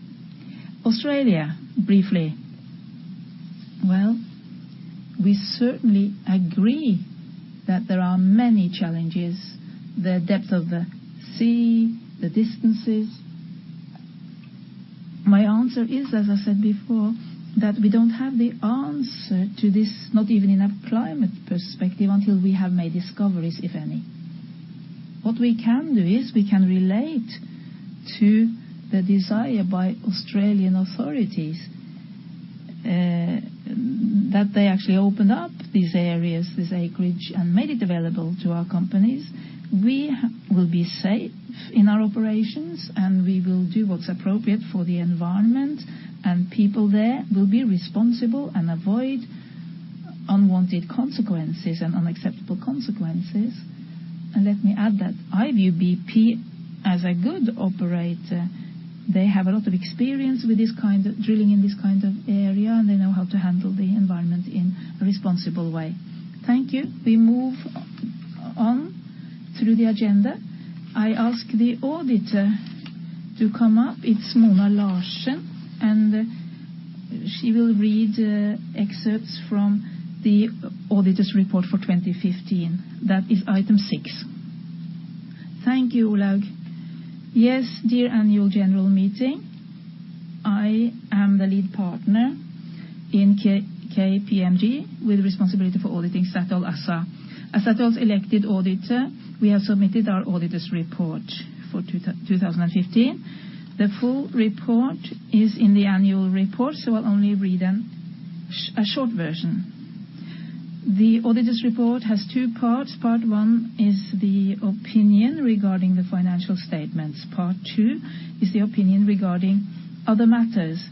S3: Australia, briefly. Well, we certainly agree that there are many challenges, the depth of the sea, the distances. My answer is, as I said before, that we don't have the answer to this, not even in a climate perspective, until we have made discoveries, if any. What we can do is we can relate to the desire by Australian authorities that they actually opened up these areas, this acreage, and made it available to our companies. We will be safe in our operations, and we will do what's appropriate for the environment, and people there will be responsible and avoid unwanted consequences and unacceptable consequences. Let me add that I view BP as a good operator. They have a lot of experience with this kind of drilling in this kind of area, and they know how to handle the environment in a responsible way. Thank you. We move on through the agenda. I ask the auditor to come up. It's Mona Larsen, and she will read excerpts from the auditor's report for 2015. That is item six. Thank you, Olaug. Yes, dear annual general meeting. I am the lead partner in KPMG with responsibility for auditing Statoil ASA. As Statoil's elected auditor, we have submitted our auditor's report for 2015.
S7: The full report is in the annual report, so I'll only read a short version. The auditor's report has two parts. Part one is the opinion regarding the financial statements. Part two is the opinion regarding other matters.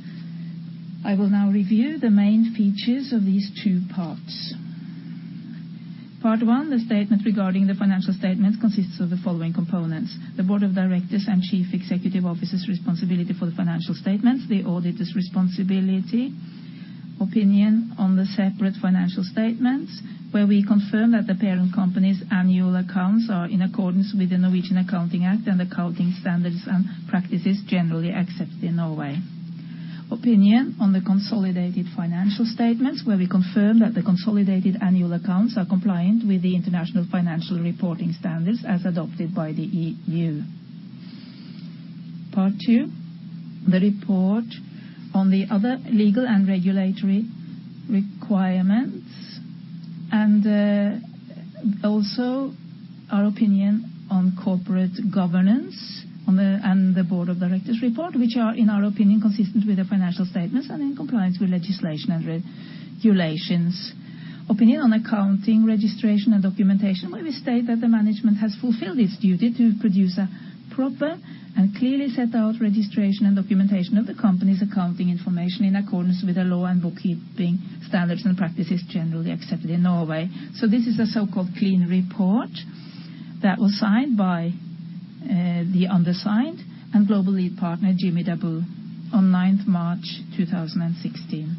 S7: I will now review the main features of these two parts. Part one, the statement regarding the financial statement consists of the following components, the board of directors and chief executive officer's responsibility for the financial statements, the auditor's responsibility, opinion on the separate financial statements, where we confirm that the parent company's annual accounts are in accordance with the Norwegian Accounting Act and accounting standards and practices generally accepted in Norway. Opinion on the consolidated financial statements, where we confirm that the consolidated annual accounts are compliant with the International Financial Reporting Standards as adopted by the EU.
S3: Part two, the report on the other legal and regulatory requirements, and also our opinion on corporate governance and the board of directors' report, which are, in our opinion, consistent with the financial statements and in compliance with legislation and regulations. Opinion on accounting registration and documentation, where we state that the management has fulfilled its duty to produce a proper and clearly set out registration and documentation of the company's accounting information in accordance with the law and bookkeeping standards and practices generally accepted in Norway. This is a so-called clean report that was signed by the undersigned and Global Lead Partner Jimmy Dabou on 9 March 2016.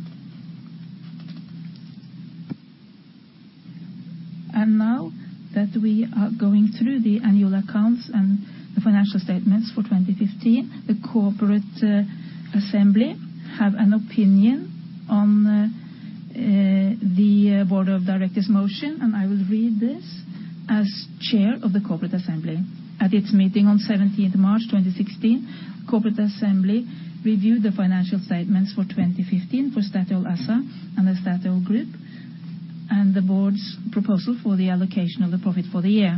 S1: Now that we are going through the annual accounts and the financial statements for 2015, the corporate assembly have an opinion on the board of directors' motion, and I will read this as chair of the corporate assembly. At its meeting on 17 March 2016, corporate assembly reviewed the financial statements for 2015 for Statoil ASA and the Statoil Group and the board's proposal for the allocation of the profit for the year.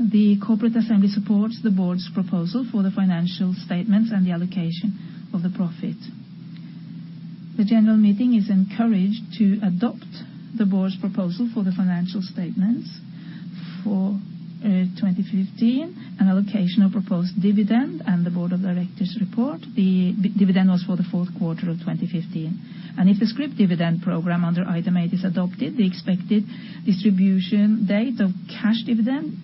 S1: The corporate assembly supports the board's proposal for the financial statements and the allocation of the profit. The general meeting is encouraged to adopt the board's proposal for the financial statements for 2015, an allocation of proposed dividend, and the board of directors' report. The dividend was for the fourth quarter of 2015.
S3: If the scrip dividend program under item eight is adopted, the expected distribution date of cash dividend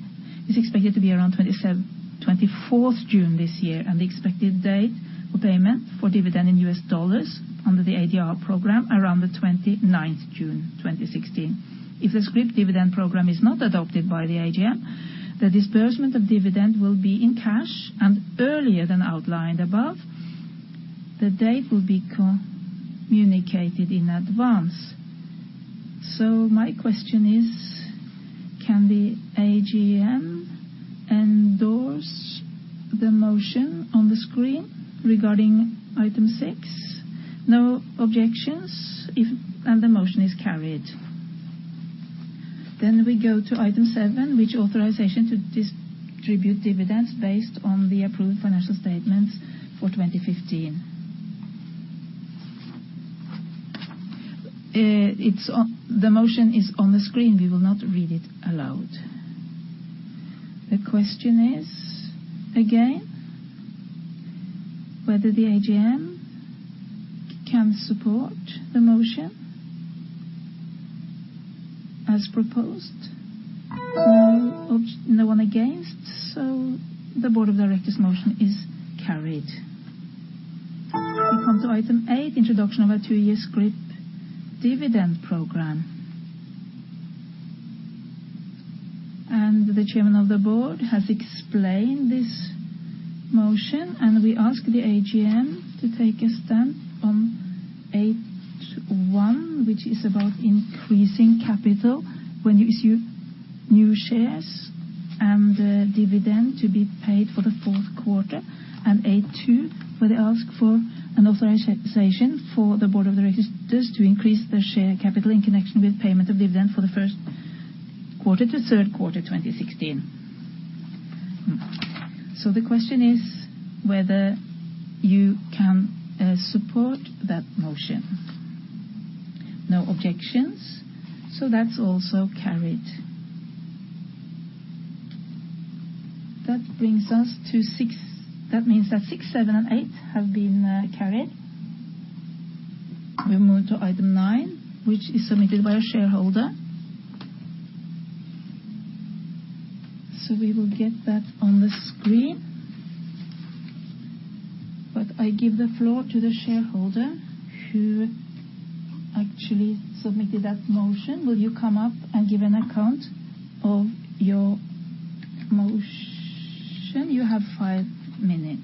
S3: is expected to be around twenty-fourth June this year, and the expected date of payment for dividend in U.S. dollars under the ADR program around the twenty-ninth June, 2016. If the scrip dividend program is not adopted by the AGM, the disbursement of dividend will be in cash and earlier than outlined above. The date will be communicated in advance. My question is, can the AGM endorse the motion on the screen regarding item six? No objections, and the motion is carried. We go to item seven, which authorization to distribute dividends based on the approved financial statements for 2015. The motion is on the screen. We will not read it aloud. The question is, again, whether the AGM can support the motion as proposed. No one against, so the board of directors' motion is carried. We come to item eight, introduction of a two-year scrip dividend program.
S1: The chairman of the board has explained this motion, and we ask the AGM to take a stand on A1, which is about increasing capital when you issue new shares and the dividend to be paid for the fourth quarter. A2, where they ask for an authorization for the board of directors to increase the share capital in connection with payment of dividend for the first quarter to third quarter 2016. The question is whether you can support that motion? No objections. That's also carried. That brings us to six. That means that six, seven, and eight have been carried. We move to item nine, which is submitted by a shareholder. We will get that on the screen. I give the floor to the shareholder who actually submitted that motion. Will you come up and give an account of your motion? You have five minutes.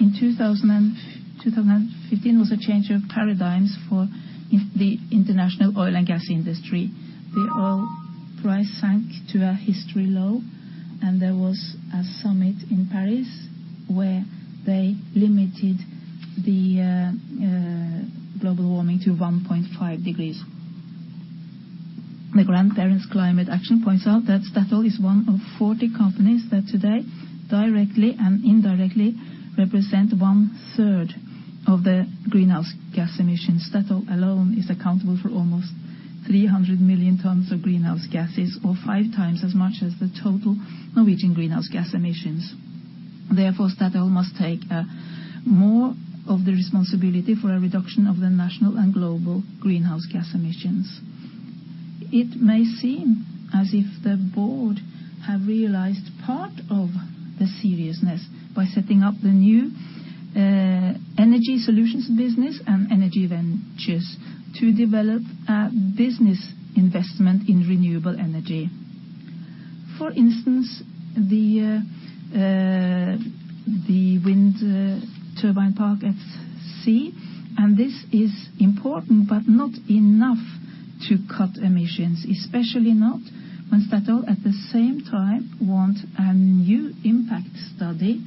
S8: In 2015 was a change of paradigms for the international oil and gas industry. The oil price sank to a historic low, and there was a summit in Paris where they limited the global warming to 1.5 degrees. The Norwegian Grandparents' Climate Campaign points out that Statoil is one of 40 companies that today, directly and indirectly, represent one-third of the greenhouse gas emissions. Statoil alone is accountable for almost 300 million tons of greenhouse gases, or five times as much as the total Norwegian greenhouse gas emissions. Therefore, Statoil must take more of the responsibility for a reduction of the national and global greenhouse gas emissions. It may seem as if the board have realized part of the seriousness by setting up the new, energy solutions business and energy ventures to develop a business investment in renewable energy. For instance, the wind turbine park at sea, and this is important, but not enough to cut emissions, especially not when Statoil, at the same time, want a new impact study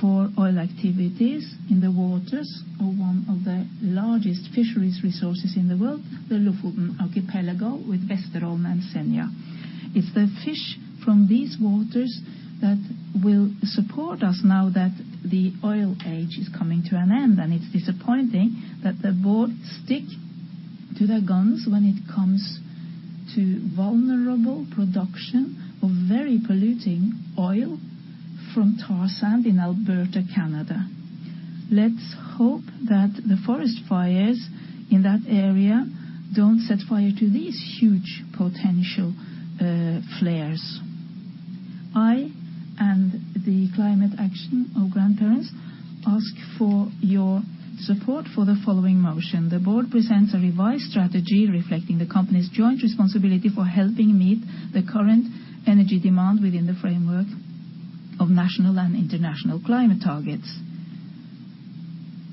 S8: for oil activities in the waters of one of the largest fisheries resources in the world, the Lofoten Archipelago with Vesterålen and Senja. It's the fish from these waters that will support us now that the oil age is coming to an end, and it's disappointing that the board stick to their guns when it comes to vulnerable production of very polluting oil from tar sand in Alberta, Canada. Let's hope that the forest fires in that area don't set fire to these huge potential flares. I and the Besteforeldrenes klimaaksjon ask for your support for the following motion. The board presents a revised strategy reflecting the company's joint responsibility for helping meet the current energy demand within the framework of national and international climate targets.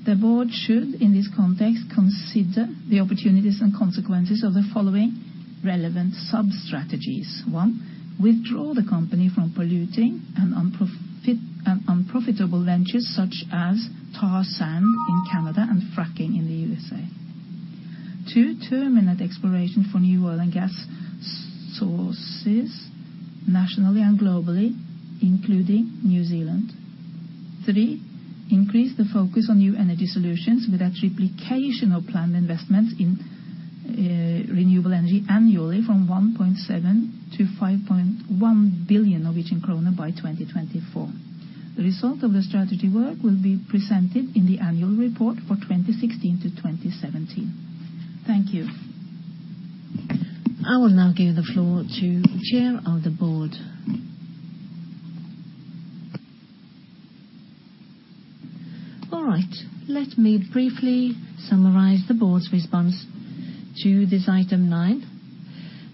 S8: The board should, in this context, consider the opportunities and consequences of the following relevant sub-strategies. One, withdraw the company from polluting and unprofitable ventures such as tar sand in Canada and fracking in the USA. Two, terminate exploration for new oil and gas sources nationally and globally, including New Zealand. Three, increase the focus on New Energy Solutions with a triplication of planned investments in renewable energy annually from 1.7 billion-5.1 billion Norwegian kroner by 2024. The result of the strategy work will be presented in the annual report for 2016-2017. Thank you.
S2: I will now give the floor to Chair of the Board. All right. Let me briefly summarize the board's response to this item nine.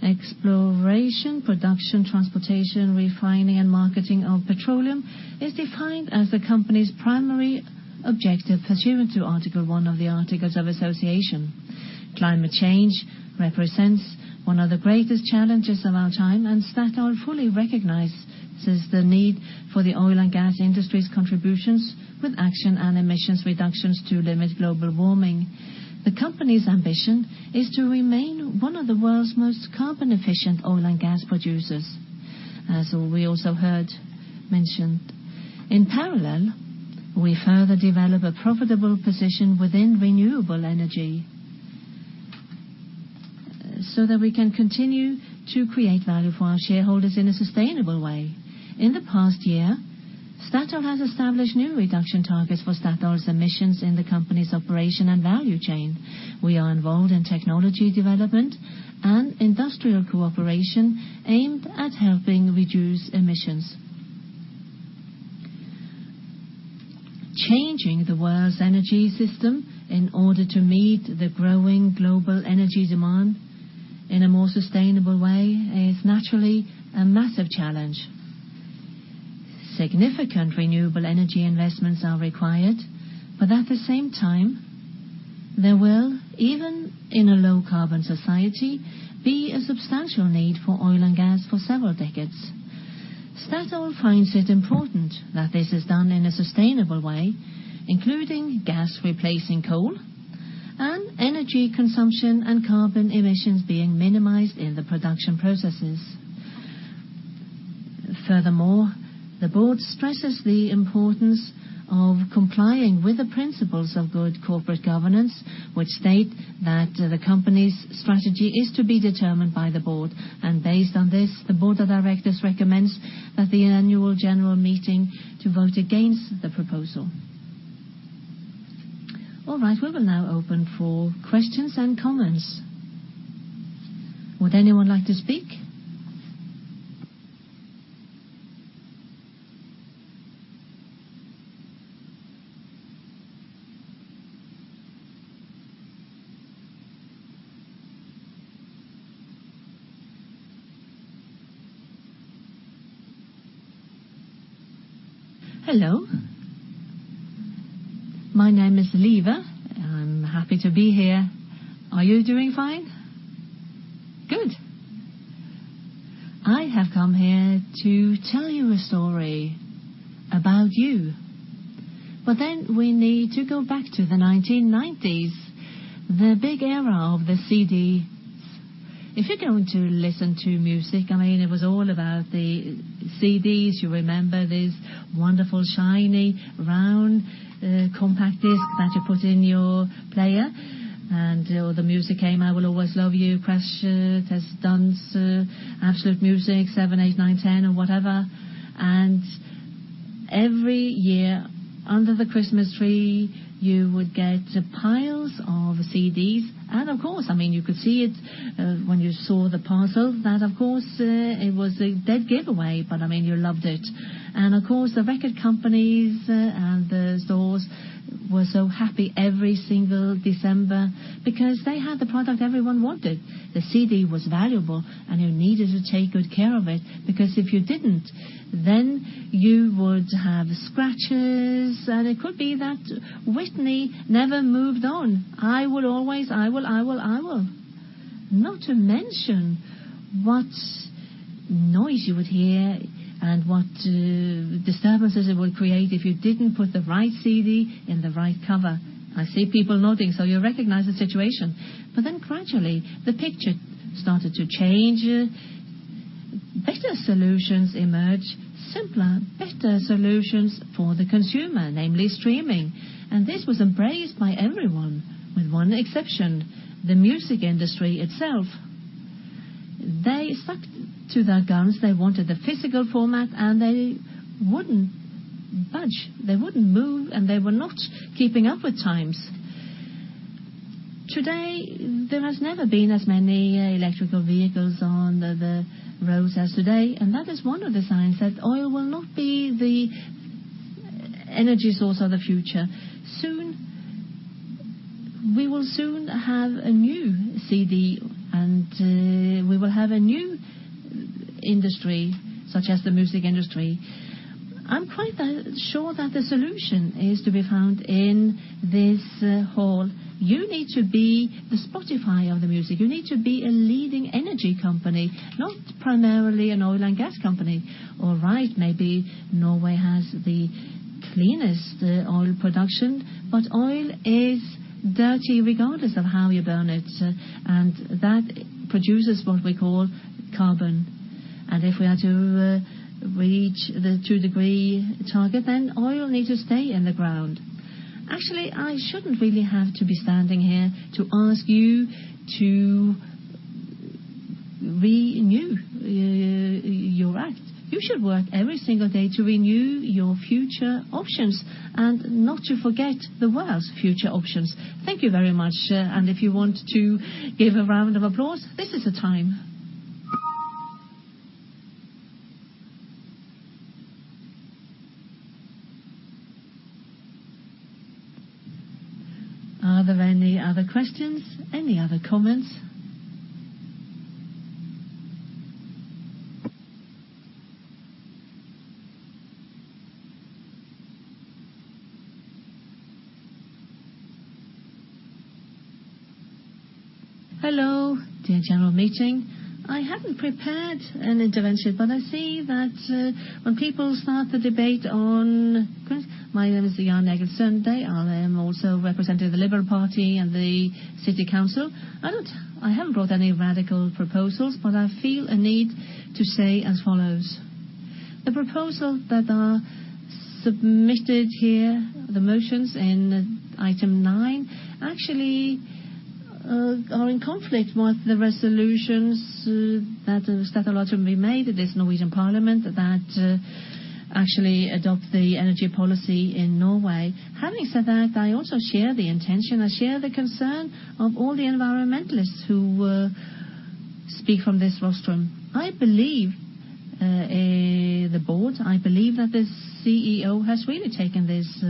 S2: Exploration, production, transportation, refining, and marketing of petroleum is defined as the company's primary objective pursuant to article one of the Articles of Association. Climate change represents one of the greatest challenges of our time, and Statoil fully recognizes the need for the oil and gas industry's contributions with action and emissions reductions to limit global warming. The company's ambition is to remain one of the world's most carbon-efficient oil and gas producers, as we also heard mentioned. In parallel, we further develop a profitable position within renewable energy so that we can continue to create value for our shareholders in a sustainable way. In the past year, Statoil has established new reduction targets for Statoil's emissions in the company's operation and value chain.
S1: We are involved in technology development and industrial cooperation aimed at helping reduce emissions. Changing the world's energy system in order to meet the growing global energy demand in a more sustainable way is naturally a massive challenge. Significant renewable energy investments are required, but at the same time, there will, even in a low carbon society, be a substantial need for oil and gas for several decades. Statoil finds it important that this is done in a sustainable way, including gas replacing coal and energy consumption and carbon emissions being minimized in the production processes. Furthermore, the board stresses the importance of complying with the principles of good corporate governance, which state that the company's strategy is to be determined by the board. Based on this, the board of directors recommends at the annual general meeting to vote against the proposal. All right. We will now open for questions and comments. Would anyone like to speak?
S9: Hello. My name is Liva. I'm happy to be here. Are you doing fine? Good. I have come here to tell you a story about you. We need to go back to the 1990s, the big era of the CD. If you're going to listen to music, I mean, it was all about the CDs. You remember these wonderful, shiny, round, compact discs that you put in your player, and all the music came. I Will Always Love You, Pressure, Test Dance, Absolute Music, 7, 8, 9, 10 or whatever. Every year, under the Christmas tree, you would get piles of CDs. Of course, I mean, you could see it when you saw the parcel. That of course, it was a dead giveaway, but, I mean, you loved it. Of course, the record companies and the stores were so happy every single December because they had the product everyone wanted. The CD was valuable, and you needed to take good care of it, because if you didn't, then you would have scratches. It could be that Whitney never moved on. I will always. Not to mention what noise you would hear and what disturbances it would create if you didn't put the right CD in the right cover. I see people nodding. You recognize the situation. Gradually, the picture started to change. Better solutions emerged, simpler, better solutions for the consumer, namely streaming. This was embraced by everyone, with one exception, the music industry itself. They stuck to their guns. They wanted the physical format, and they wouldn't budge, they wouldn't move, and they were not keeping up with the times. Today, there has never been as many electric vehicles on the roads as today, and that is one of the signs that oil will not be the energy source of the future. We will soon have a new CD, and we will have a new industry such as the music industry. I'm quite sure that the solution is to be found in this hall. You need to be the Spotify of the music. You need to be a leading energy company, not primarily an oil and gas company. All right, maybe Norway has the cleanest oil production, but oil is dirty regardless of how you burn it, and that produces what we call carbon. If we are to reach the two-degree target, then oil needs to stay in the ground. Actually, I shouldn't really have to be standing here to ask you to renew your act. You should work every single day to renew your future options and not to forget the world's future options. Thank you very much. If you want to give a round of applause, this is the time.
S1: Are there any other questions? Any other comments?
S10: Hello, dear general meeting. I haven't prepared an intervention, but I see that when people start the debate. My name is Jan Eggum Sunde. I am also representing the Liberal Party and the city council. I haven't brought any radical proposals, but I feel a need to say as follows. The proposals that are submitted here, the motions in item nine, actually, are in conflict with the resolutions that Statoil can be made at this Norwegian parliament that actually adopt the energy policy in Norway. Having said that, I also share the intention. I share the concern of all the environmentalists who speak from this rostrum. I believe that the CEO has really taken this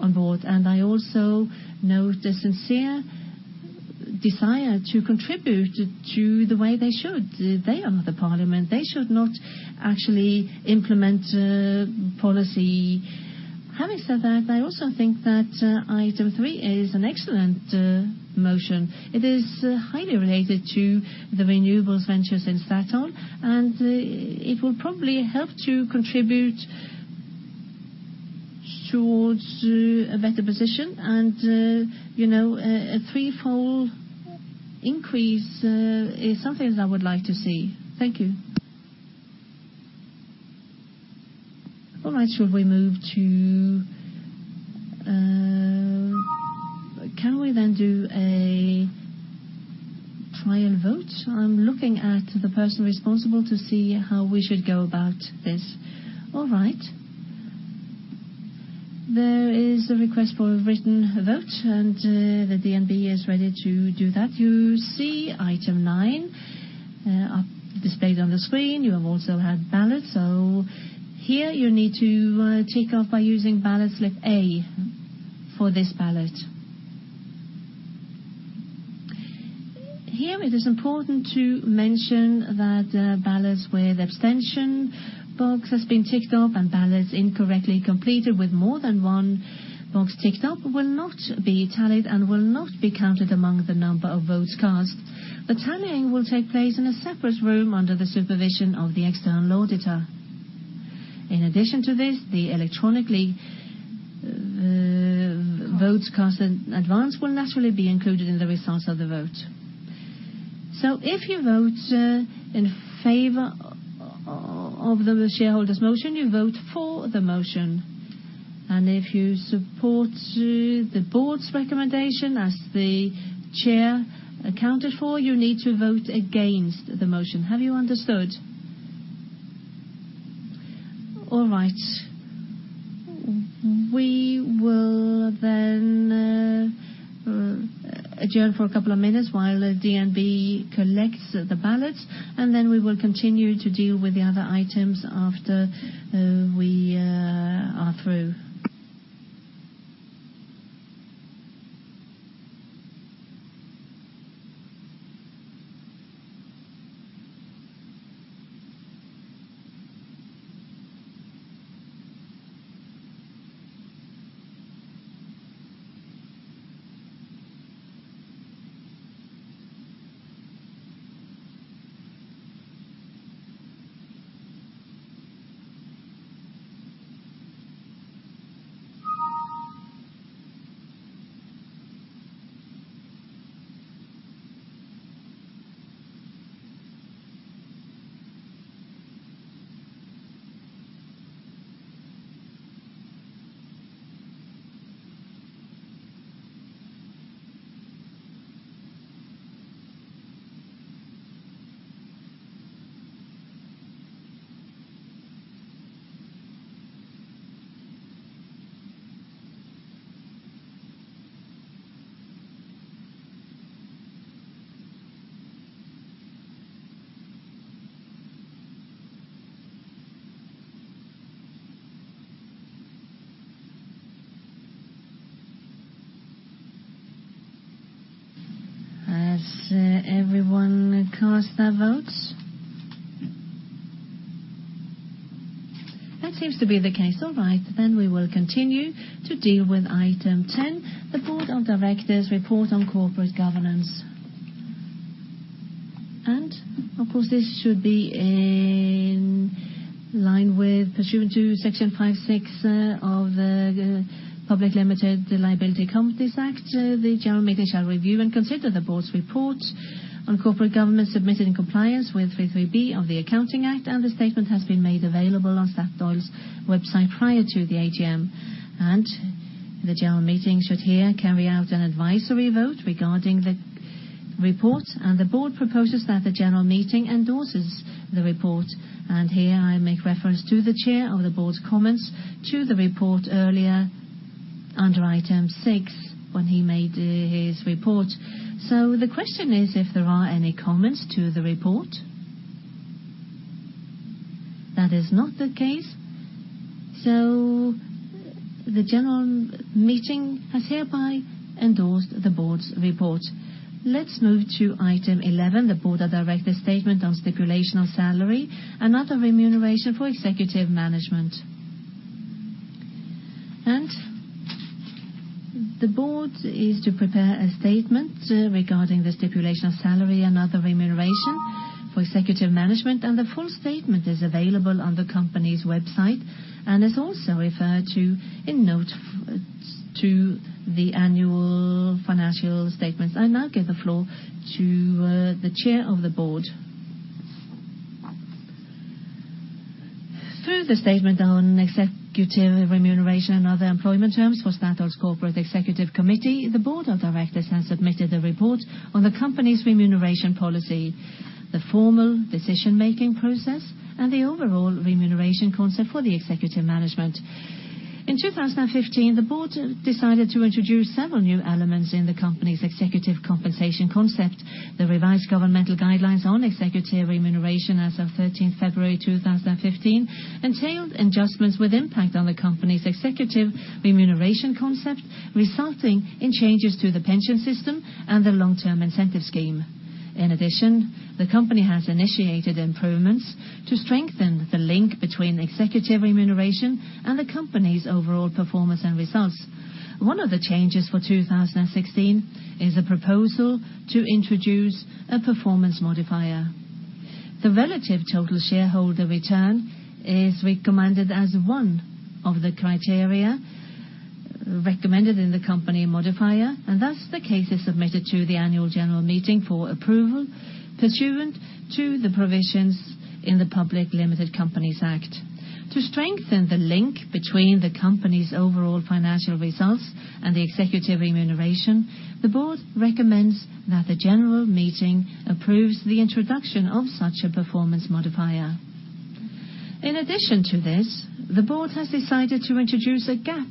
S10: on board, and I also note the sincere desire to contribute to the way they should. They are not the parliament. They should not actually implement policy. Having said that, I also think that item three is an excellent motion. It is highly related to the renewables ventures in Statoil, and it will probably help to contribute towards a better position. You know, a threefold increase is something I would like to see. Thank you.
S1: All right. Should we move to? Can we then do a trial vote? I'm looking at the person responsible to see how we should go about this. All right. There is a request for a written vote, and the DNB is ready to do that. You see item nine up displayed on the screen. You have also had ballots. Here you need to tick off by using ballot slip A for this ballot. Here, it is important to mention that ballots with abstention box has been ticked off, and ballots incorrectly completed with more than one box ticked off will not be tallied and will not be counted among the number of votes cast. The tallying will take place in a separate room under the supervision of the external auditor. In addition to this, the electronic votes cast in advance will naturally be included in the results of the vote. If you vote in favor of the shareholders' motion, you vote for the motion. If you support the board's recommendation as the chair accounted for, you need to vote against the motion. Have you understood? All right. We will then adjourn for a couple of minutes while the DNB collects the ballots, and then we will continue to deal with the other items after we are through. Has everyone cast their votes? That seems to be the case. All right, we will continue to deal with item ten, the Board of Directors' Report on Corporate Governance. Of course, this should be in line with pursuant to Section 5-6 of the Public Limited Liability Companies Act. The general meeting shall review and consider the board's report on corporate governance submitted in compliance with 3-3-B of the Accounting Act, and the statement has been made available on Statoil's website prior to the AGM. The general meeting should here carry out an advisory vote regarding the report. The board proposes that the general meeting endorses the report. Here I make reference to the chair of the board's comments to the report earlier under item six when he made his report. The question is if there are any comments to the report. That is not the case. The general meeting has hereby endorsed the board's report. Let's move to item 11, the Board of Directors' Statement on Stipulation of Salary and Other Remuneration for Executive Management. The board is to prepare a statement regarding the stipulation of salary and other remuneration for executive management, and the full statement is available on the company's website and is also referred to in notes to the annual financial statements. I now give the floor to the Chair of the Board. Through the statement on executive remuneration and other employment terms for Statoil's Corporate Executive Committee, the board of directors has submitted the report on the company's remuneration policy, the formal decision-making process, and the overall remuneration concept for the executive management. In 2015, the board decided to introduce several new elements in the company's executive compensation concept. The revised governmental guidelines on executive remuneration as of thirteenth February 2015 entailed adjustments with impact on the company's executive remuneration concept, resulting in changes to the pension system and the long-term incentive scheme. In addition, the company has initiated improvements to strengthen the link between executive remuneration and the company's overall performance and results. One of the changes for 2016 is a proposal to introduce a performance modifier. The relative total shareholder return is recommended as one of the criteria recommended in the company modifier, and thus the case is submitted to the annual general meeting for approval pursuant to the provisions in the Public Limited Liability Companies Act. To strengthen the link between the company's overall financial results and the executive remuneration, the board recommends that the general meeting approves the introduction of such a performance modifier. In addition to this, the board has decided to introduce a cap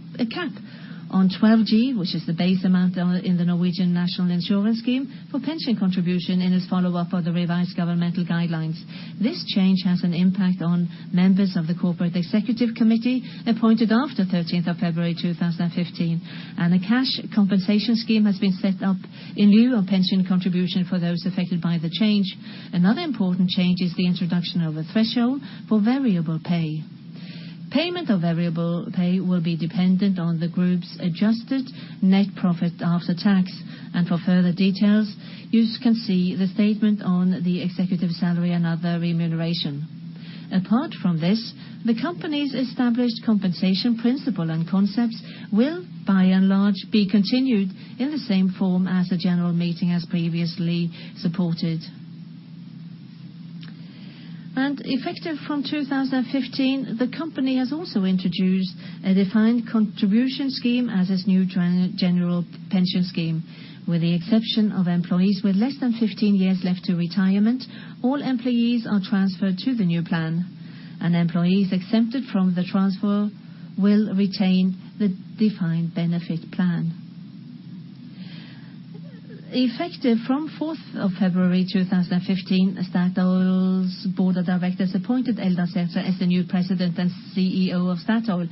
S1: on 12G, which is the base amount in the Norwegian National Insurance Scheme for pension contribution, and is a follow-up for the revised governmental guidelines. This change has an impact on members of the Corporate Executive Committee appointed after 13th of February 2015, and a cash compensation scheme has been set up in lieu of pension contribution for those affected by the change. Another important change is the introduction of a threshold for variable pay. Payment of variable pay will be dependent on the group's adjusted net profit after tax. For further details, you can see the statement on the executive salary and other remuneration. Apart from this, the company's established compensation principle and concepts will, by and large, be continued in the same form as the general meeting has previously supported. Effective from 2015, the company has also introduced a defined contribution scheme as its new general pension scheme. With the exception of employees with less than 15 years left to retirement, all employees are transferred to the new plan, and employees exempted from the transfer will retain the defined benefit plan. Effective from February 4, 2015, Statoil's board of directors appointed Eldar Sætre as the new President and CEO of Statoil.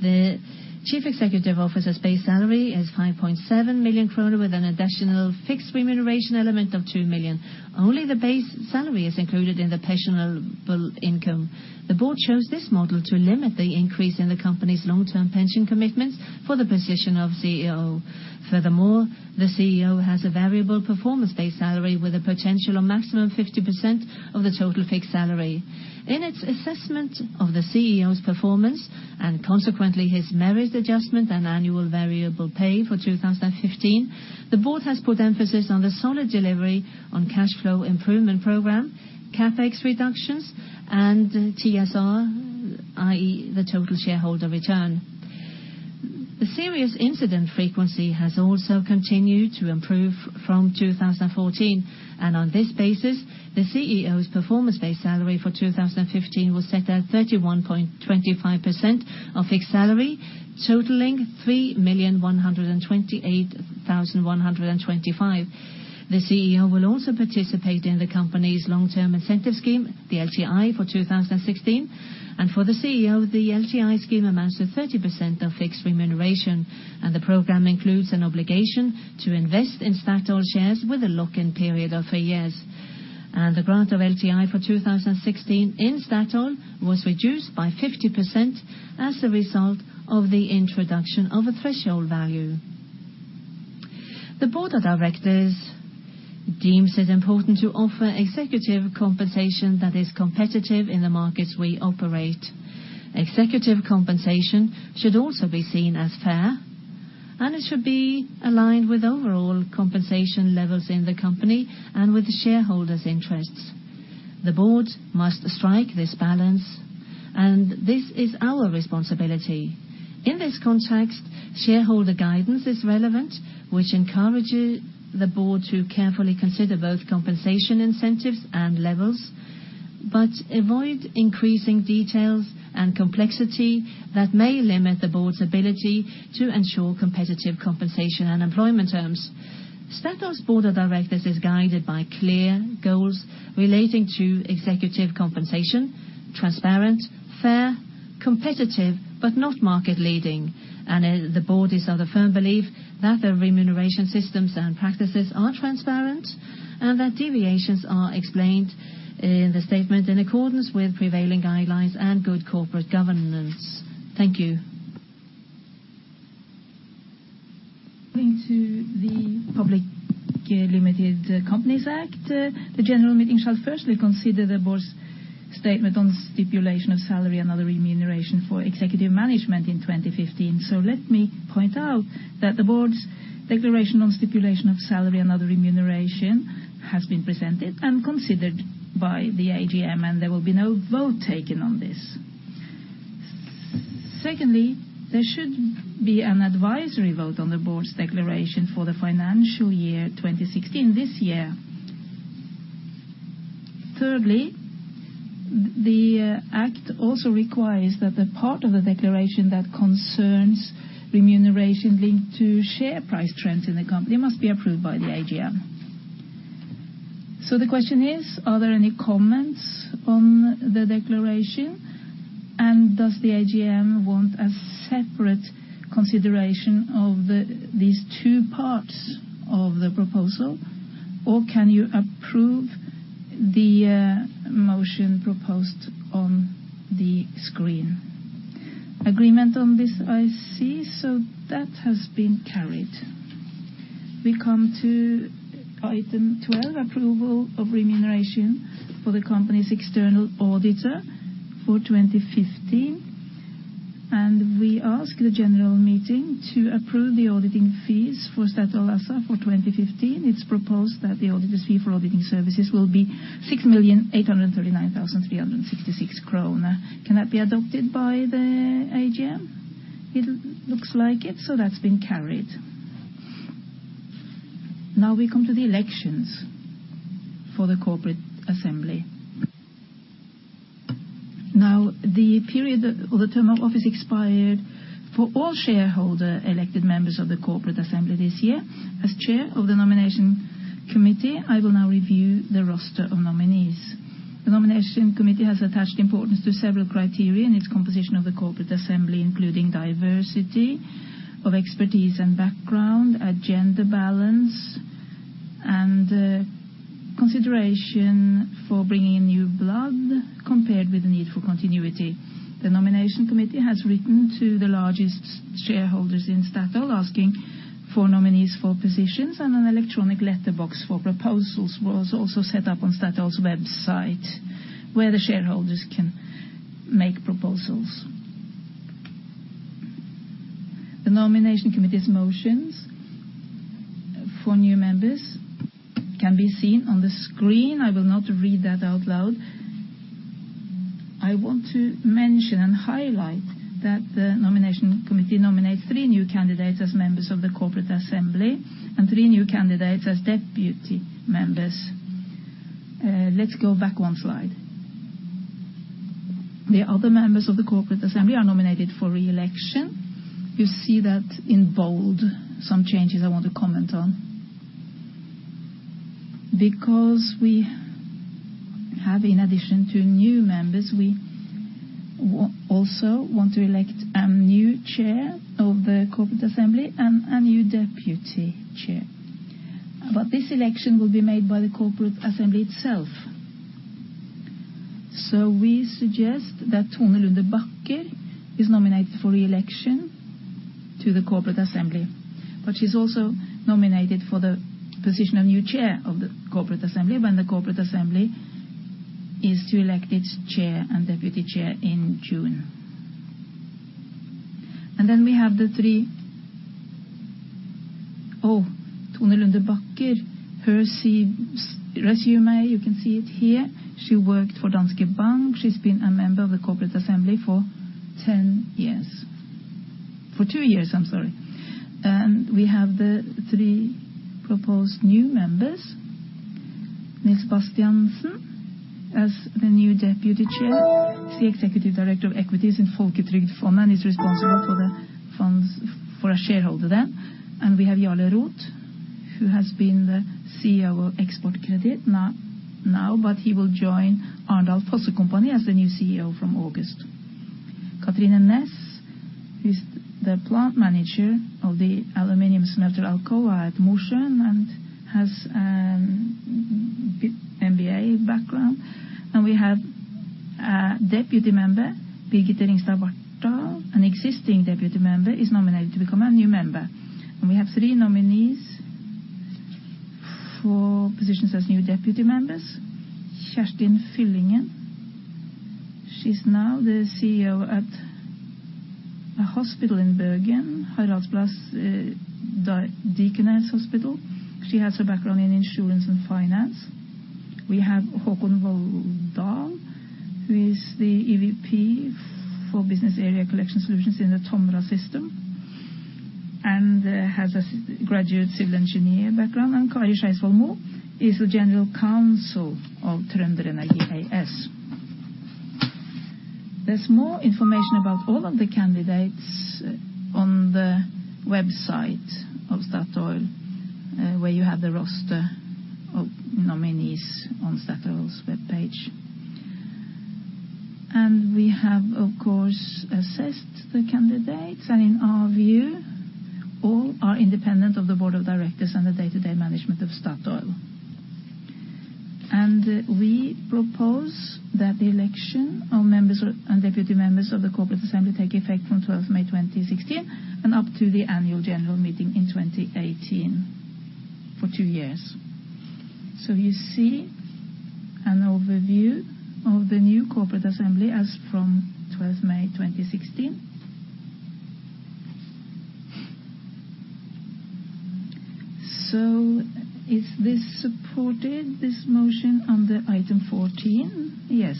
S1: The chief executive officer's base salary is 5.7 million kroner with an additional fixed remuneration element of 2 million. Only the base salary is included in the pensionable income. The board chose this model to limit the increase in the company's long-term pension commitments for the position of CEO. Furthermore, the CEO has a variable performance-based salary with a potential of maximum 50% of the total fixed salary. In its assessment of the CEO's performance and consequently his merit adjustment and annual variable pay for 2015, the board has put emphasis on the solid delivery on cash flow improvement program, CapEx reductions, and TSR, i.e., the total shareholder return. The serious incident frequency has also continued to improve from 2014, and on this basis, the CEO's performance-based salary for 2015 was set at 31.25% of fixed salary, totaling 3,128,125. The CEO will also participate in the company's long-term incentive scheme, the LTI, for 2016. For the CEO, the LTI scheme amounts to 30% of fixed remuneration, and the program includes an obligation to invest in Statoil shares with a lock-in period of three years. The grant of LTI for 2016 in Statoil was reduced by 50% as a result of the introduction of a threshold value. The board of directors deems it important to offer executive compensation that is competitive in the markets we operate. Executive compensation should also be seen as fair, and it should be aligned with overall compensation levels in the company and with the shareholders' interests. The board must strike this balance, and this is our responsibility. In this context, shareholder guidance is relevant, which encourages the board to carefully consider both compensation incentives and levels, but avoid increasing details and complexity that may limit the board's ability to ensure competitive compensation and employment terms. Statoil's board of directors is guided by clear goals relating to executive compensation, transparent, fair, competitive, but not market-leading. The board is of the firm belief that the remuneration systems and practices are transparent and that deviations are explained in the statement in accordance with prevailing guidelines and good corporate governance. Thank you.
S3: According to the Public Limited Liability Companies Act, the general meeting shall firstly consider the board's statement on stipulation of salary and other remuneration for executive management in 2015. Let me point out that the board's declaration on stipulation of salary and other remuneration has been presented and considered by the AGM, and there will be no vote taken on this. Secondly, there should be an advisory vote on the board's declaration for the financial year 2016. This year- Thirdly, the act also requires that the part of the declaration that concerns remuneration linked to share price trends in the company must be approved by the AGM. The question is, are there any comments on the declaration, and does the AGM want a separate consideration of the two parts of the proposal, or can you approve the motion proposed on the screen? Agreement on this, I see. That has been carried. We come to item 12, approval of remuneration for the company's external auditor for 2015. We ask the general meeting to approve the auditing fees for Statoil ASA for 2015. It's proposed that the auditor's fee for auditing services will be 6,839,366 krone. Can that be adopted by the AGM? It looks like it. That's been carried. Now we come to the elections for the corporate assembly. Now, the period or the term of office expired for all shareholder elected members of the corporate assembly this year. As chair of the nomination committee, I will now review the roster of nominees. The nomination committee has attached importance to several criteria in its composition of the corporate assembly, including diversity of expertise and background, a gender balance, and consideration for bringing in new blood compared with the need for continuity. The nomination committee has written to the largest shareholders in Statoil asking for nominees for positions, and an electronic letterbox for proposals was also set up on Statoil's website, where the shareholders can make proposals. The nomination committee's motions for new members can be seen on the screen. I will not read that out loud. I want to mention and highlight that the nomination committee nominates three new candidates as members of the corporate assembly and three new candidates as deputy members. Let's go back one slide. The other members of the corporate assembly are nominated for re-election. You see that in bold, some changes I want to comment on. Because we have, in addition to new members, we also want to elect a new chair of the corporate assembly and a new deputy chair. This election will be made by the corporate assembly itself. We suggest that Tone Lunde Bakker is nominated for re-election to the corporate assembly. She's also nominated for the position of new chair of the corporate assembly when the corporate assembly is to elect its chair and deputy chair in June. Then we have the three. Oh, Tone Lunde Bakker, here's her resume, you can see it here. She worked for Danske Bank. She's been a member of the corporate assembly for 10 years. For two years, I'm sorry. We have the three proposed new members, Nils Bastiansen as the new deputy chair. He's the Executive Director of Equities in Folketrygdfondet, and he's responsible for the funds for a shareholder then. We have Jarle Roth, who has been the CEO of Eksportkreditt now, but he will join Arendals Fossekompani as the new CEO from August. Katrine Ness is the plant manager of the aluminum smelter Alcoa at Mosjøen and has MBA background. We have a deputy member, Birgitte Ringstad Vartdal, an existing deputy member, is nominated to become a new member. We have three nominees for positions as new deputy members. Kjerstin Fyllingen, she's now the CEO at a hospital in Bergen, Haraldsplass Diakonale Sykehus. She has a background in insurance and finance. We have Håkon Volldal, who is the EVP for business area Collection Solutions in the Tomra Systems ASA and has a graduate civil engineer background. Kari Skeidsvoll Moe is the General Counsel of TrønderEnergi AS. There's more information about all of the candidates on the website of Statoil, where you have the roster of nominees on Statoil's webpage. We have, of course, assessed the candidates, and in our view, all are independent of the board of directors and the day-to-day management of Statoil. We propose that the election of members and deputy members of the corporate assembly take effect from twelfth May 2016 and up to the annual general meeting in 2018 for two years. You see an overview of the new Corporate Assembly as from 12th May 2016. Is this supported, this motion under item 14? Yes.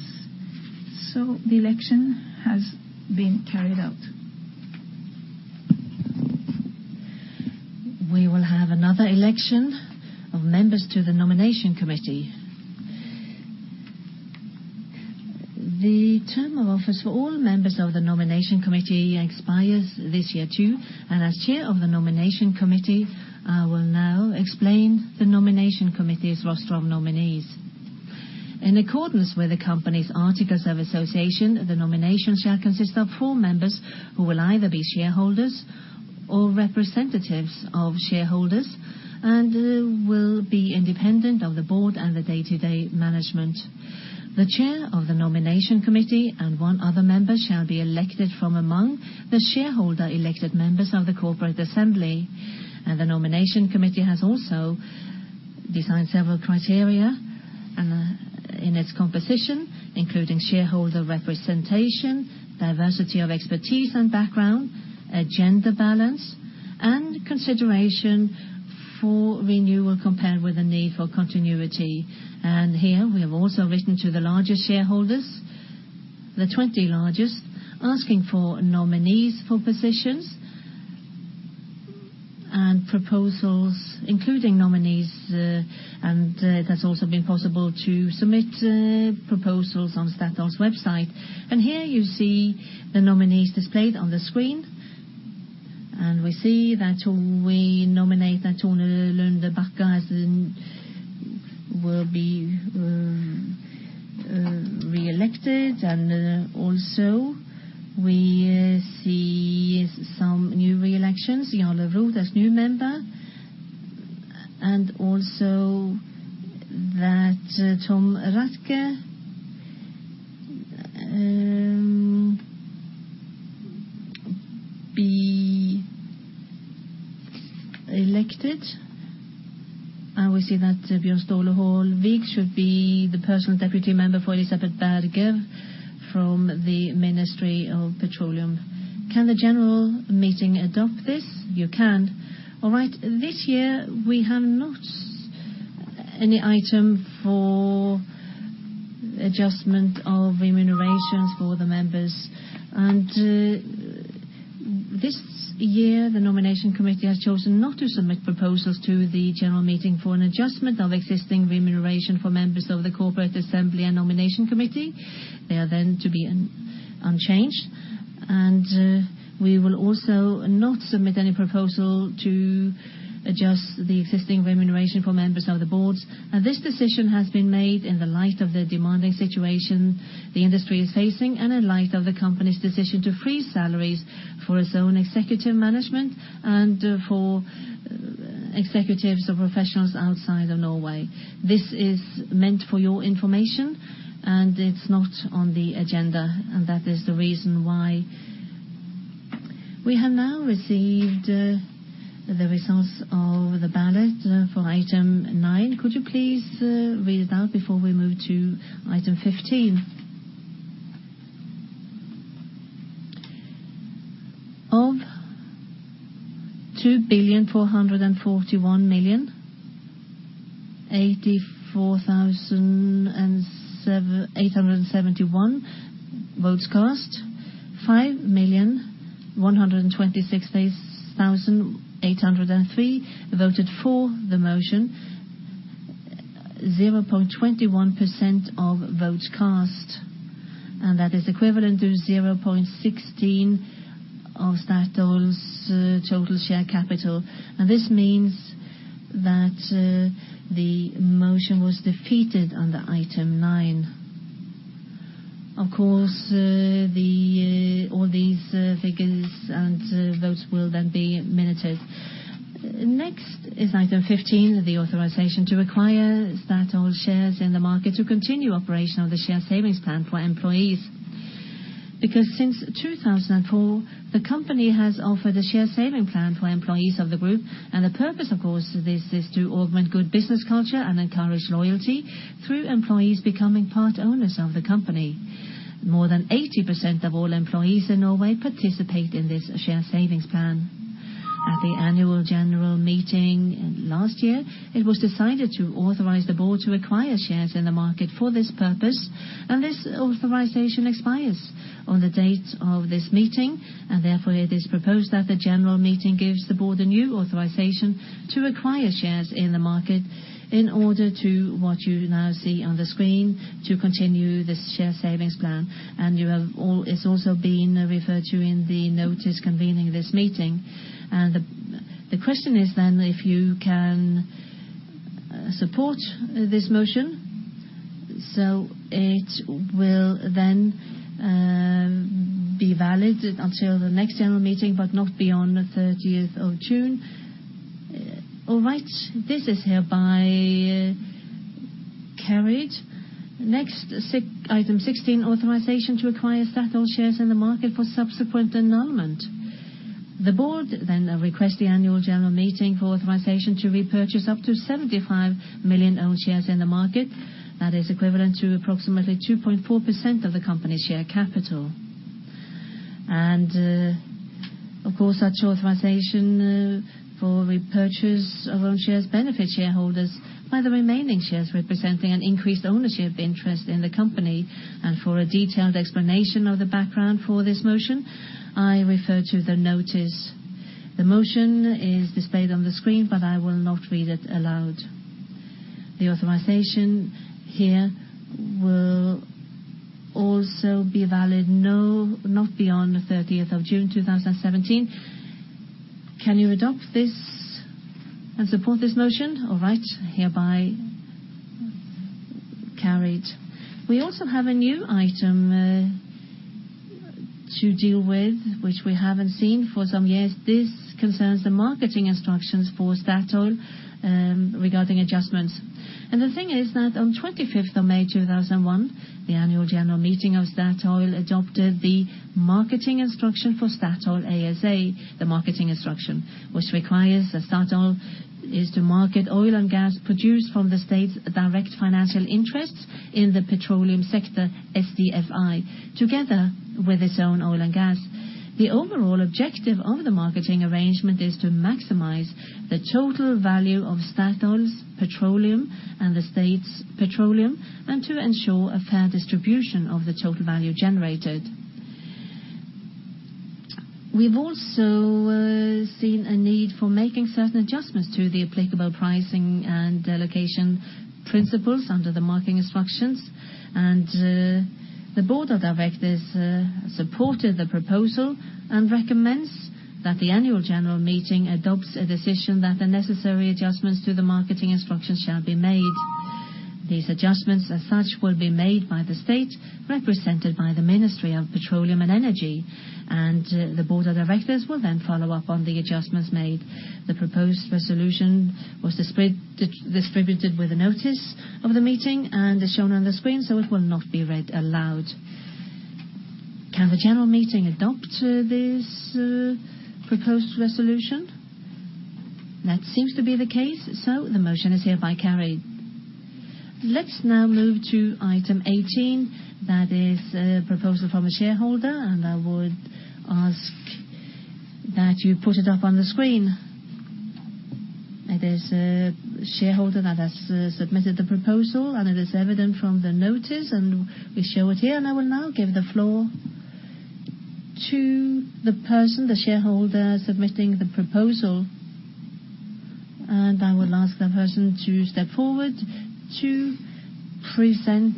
S3: The election has been carried out.
S1: We will have another election of members to the nomination committee. The term of office for all members of the nomination committee expires this year too. As chair of the nomination committee, I will now explain the nomination committee's roster of nominees. In accordance with the company's articles of association, the nomination shall consist of four members who will either be shareholders or representatives of shareholders and will be independent of the board and the day-to-day management. The chair of the nomination committee and one other member shall be elected from among the shareholder-elected members of the corporate assembly. The nomination committee has also designed several criteria, in its composition, including shareholder representation, diversity of expertise and background, a gender balance, and consideration for renewal compared with the need for continuity. Here we have also written to the largest shareholders, the 20 largest, asking for nominees for positions and proposals, including nominees, and it has also been possible to submit proposals on Statoil's website. Here you see the nominees displayed on the screen, and we see that we nominate that Tone Lunde Bakker will be reelected. Also we see some new reelections. Jarle Roth as new member, and also that Tom Rathke be elected. We see that Bjørn Ståle Haavik should be the personal deputy member for Elisabeth Berge from the Ministry of Petroleum. Can the general meeting adopt this? You can. All right. This year we have not any item for adjustment of remunerations for the members. This year, the nomination committee has chosen not to submit proposals to the general meeting for an adjustment of existing remuneration for members of the corporate assembly and nomination committee. They are then to be unchanged. We will also not submit any proposal to adjust the existing remuneration for members of the boards. This decision has been made in the light of the demanding situation the industry is facing and in light of the company's decision to freeze salaries for its own executive management and for executives or professionals outside of Norway. This is meant for your information, and it's not on the agenda. That is the reason why we have now received the results of the ballot for item 9. Could you please read it out before we move to item 15? Of 2,441,084,781 votes cast, 5,126,803 voted for the motion, 0.21% of votes cast. That is equivalent to 0.16% of Statoil's total share capital. This means that the motion was defeated under item nine. Of course, all these figures and votes will then be minuted. Next is item 15, the authorization to acquire Statoil shares in the market to continue operation of the share savings plan for employees. Because since 2004, the company has offered a share saving plan for employees of the group. The purpose, of course, is to augment good business culture and encourage loyalty through employees becoming part owners of the company. More than 80% of all employees in Norway participate in this share savings plan. At the annual general meeting last year, it was decided to authorize the board to acquire shares in the market for this purpose. This authorization expires on the date of this meeting. It is proposed that the general meeting gives the board a new authorization to acquire shares in the market in order to, what you now see on the screen, to continue this share savings plan. It's also been referred to in the notice convening this meeting. The question is then if you can support this motion, so it will then be valid until the next general meeting, but not beyond the thirtieth of June. All right. This is hereby carried. Next, item sixteen, authorization to acquire Statoil shares in the market for subsequent annulment. The board then request the annual general meeting for authorization to repurchase up to 75 million own shares in the market. That is equivalent to approximately 2.4% of the company's share capital. Of course, such authorization for repurchase of own shares benefit shareholders by the remaining shares representing an increased ownership interest in the company. For a detailed explanation of the background for this motion, I refer to the notice. The motion is displayed on the screen, but I will not read it aloud. The authorization here will also be valid not beyond the thirtieth of June 2017. Can you adopt this and support this motion? All right, hereby carried. We also have a new item to deal with which we haven't seen for some years. This concerns the marketing instructions for Statoil regarding adjustments. The thing is that on 25th of May 2001, the annual general meeting of Statoil adopted the marketing instruction for Statoil ASA, the marketing instruction, which requires that Statoil is to market oil and gas produced from the state's Direct Financial Interests in the petroleum sector, SDFI, together with its own oil and gas. The overall objective of the marketing arrangement is to maximize the total value of Statoil's petroleum and the state's petroleum and to ensure a fair distribution of the total value generated. We've also seen a need for making certain adjustments to the applicable pricing and allocation principles under the marketing instructions. The board of directors supported the proposal and recommends that the annual general meeting adopts a decision that the necessary adjustments to the marketing instructions shall be made. These adjustments, as such, will be made by the state represented by the Ministry of Petroleum and Energy, and the Board of Directors will then follow up on the adjustments made. The proposed resolution was distributed with a notice of the meeting and is shown on the screen, so it will not be read aloud. Can the general meeting adopt this proposed resolution? That seems to be the case. The motion is hereby carried. Let's now move to item 18. That is a proposal from a shareholder, and I would ask that you put it up on the screen. It is a shareholder that has submitted the proposal, and it is evident from the notice, and we show it here, and I will now give the floor to the person, the shareholder submitting the proposal. I would ask that person to step forward to present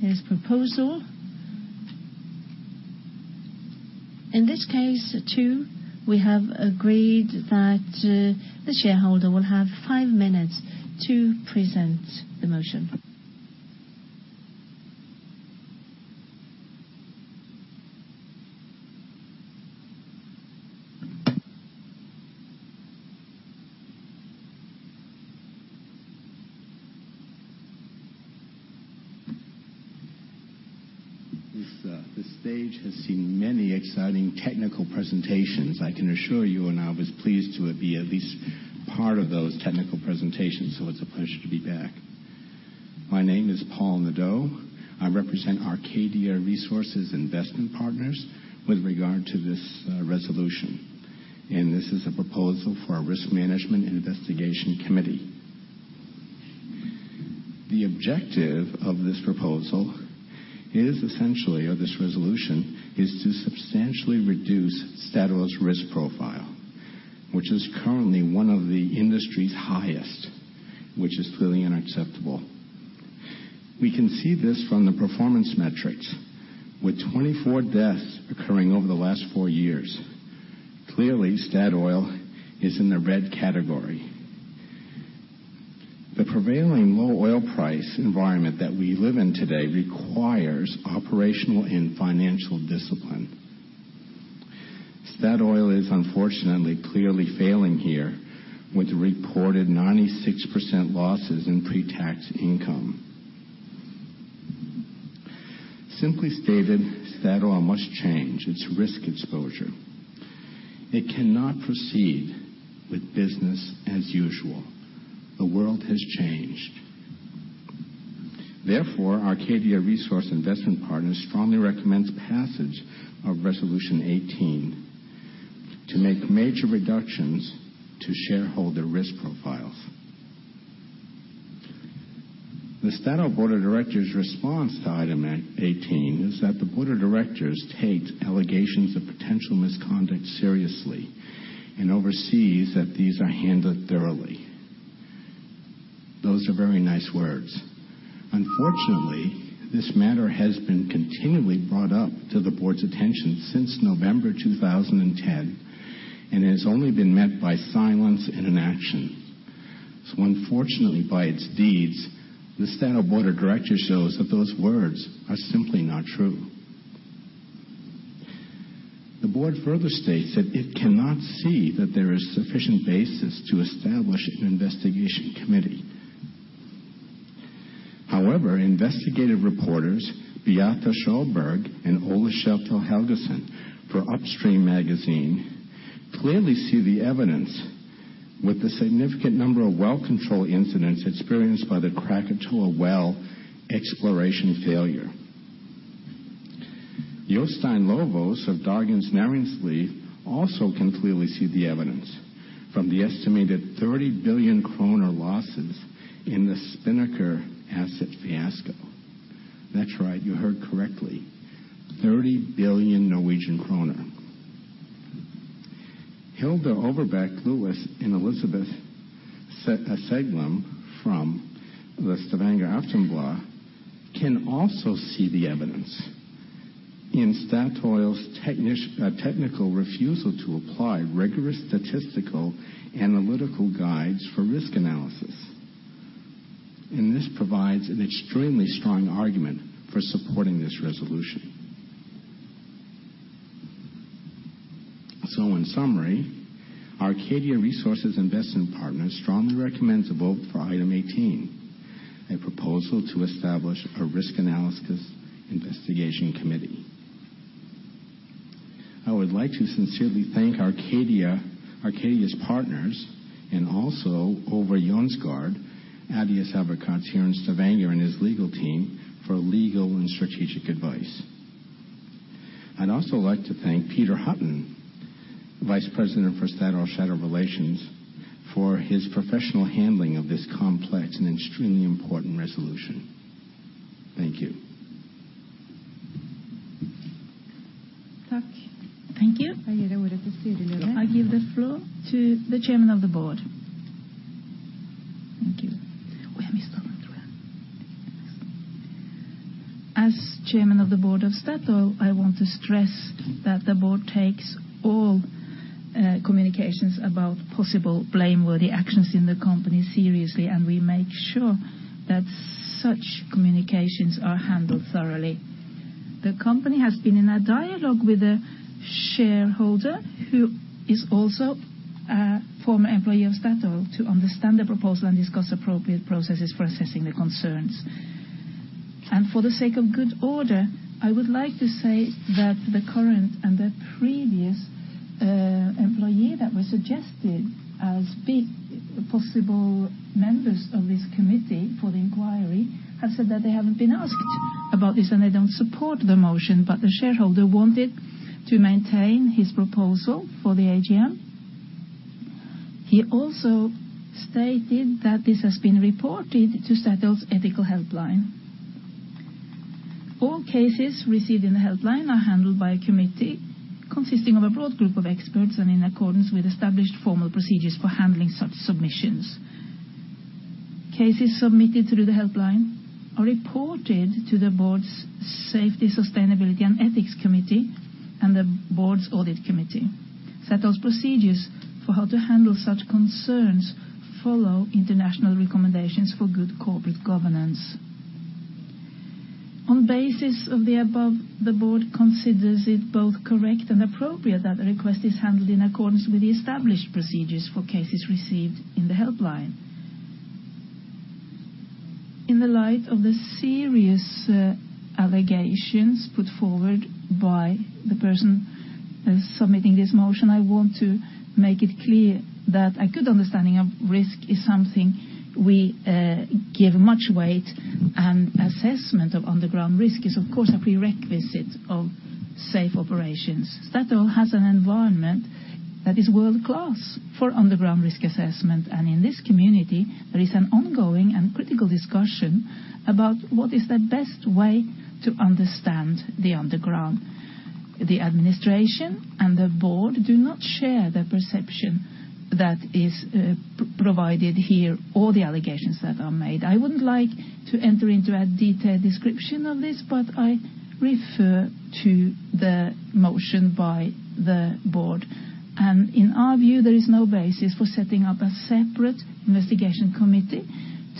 S1: his proposal. In this case, too, we have agreed that the shareholder will have five minutes to present the motion.
S11: This stage has seen many exciting technical presentations, I can assure you, and I was pleased to be at least part of those technical presentations, so it's a pleasure to be back. My name is Paul Nadeau. I represent Arcadia Investment Partners with regard to this resolution. This is a proposal for a Risk Management and Investigation Committee. The objective of this proposal is to substantially reduce Statoil's risk profile, which is currently one of the industry's highest, which is clearly unacceptable. We can see this from the performance metrics. With 24 deaths occurring over the last four years, clearly Statoil is in the red category. The prevailing low oil price environment that we live in today requires operational and financial discipline. Statoil is unfortunately clearly failing here with reported 96% losses in pre-tax income. Simply stated, Statoil must change its risk exposure. It cannot proceed with business as usual. The world has changed. Therefore, Arcadia Investment Partners strongly recommends passage of Resolution Eighteen to make major reductions to shareholder risk profiles. The Statoil Board of Directors' response to item eighteen is that the Board of Directors takes allegations of potential misconduct seriously and oversees that these are handled thoroughly. Those are very nice words. Unfortunately, this matter has been continually brought up to the board's attention since November 2010, and it has only been met by silence and inaction. Unfortunately, by its deeds, the Statoil Board of Directors shows that those words are simply not true. The board further states that it cannot see that there is sufficient basis to establish an investigation committee. However, investigative reporters Beate Sjåfjell and Ole Schelto Helgesen for Upstream Magazine clearly see the evidence with the significant number of well control incidents experienced by the Krakatoa well exploration failure. Jostein Løvås of Dagens Næringsliv also can clearly see the evidence from the estimated 30 billion kroner losses in the Spinnaker asset fiasco. That's right. You heard correctly, 30 billion Norwegian kroner. Hilde Øvrebekk Lewis and Elisabeth H. Seglem from the Stavanger Aftenblad can also see the evidence in Statoil's technical refusal to apply rigorous statistical analytical guides for risk analysis, and this provides an extremely strong argument for supporting this resolution. In summary, Arcadia Investment Partners strongly recommends a vote for item 18, a proposal to establish a risk analysis investigation committee. I would like to sincerely thank Arcadia's partners, and also Ove Jonsgård, Advokatfirmaet here in Stavanger, and his legal team for legal and strategic advice. I'd also like to thank Peter Hutton, Vice President for Statoil Shareholder Relations, for his professional handling of this complex and extremely important resolution. Thank you.
S1: Thank you. I give the floor to the Chairman of the Board. Thank you. As Chairman of the Board of Statoil, I want to stress that the board takes all communications about possible blameworthy actions in the company seriously, and we make sure that such communications are handled thoroughly. The company has been in a dialogue with a shareholder who is also a former employee of Statoil to understand the proposal and discuss appropriate processes for assessing the concerns. For the sake of good order, I would like to say that the current and the previous employee that was suggested as being possible members of this committee for the inquiry have said that they haven't been asked about this, and they don't support the motion. The shareholder wanted to maintain his proposal for the AGM.
S3: He also stated that this has been reported to Statoil's ethical helpline. All cases received in the helpline are handled by a committee consisting of a broad group of experts and in accordance with established formal procedures for handling such submissions. Cases submitted through the helpline are reported to the board's Safety, Sustainability and Ethics Committee and the board's Audit Committee. Statoil's procedures for how to handle such concerns follow international recommendations for good corporate governance. On the basis of the above, the board considers it both correct and appropriate that the request is handled in accordance with the established procedures for cases received in the helpline. In the light of the serious allegations put forward by the person submitting this motion, I want to make it clear that a good understanding of risk is something we give much weight, and assessment of underground risk is, of course, a prerequisite of safe operations. Statoil has an environment that is world-class for underground risk assessment, and in this community there is an ongoing and critical discussion about what is the best way to understand the underground. The administration and the board do not share the perception that is provided here or the allegations that are made. I wouldn't like to enter into a detailed description of this, but I refer to the motion by the board. In our view, there is no basis for setting up a separate investigation committee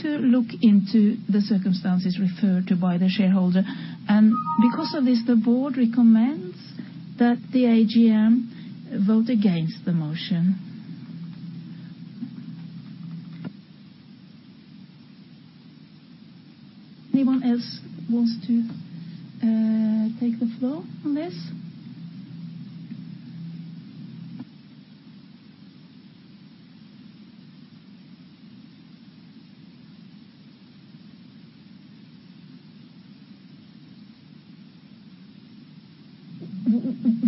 S3: to look into the circumstances referred to by the shareholder. Because of this, the board recommends that the AGM vote against the motion. Anyone else wants to take the floor on this?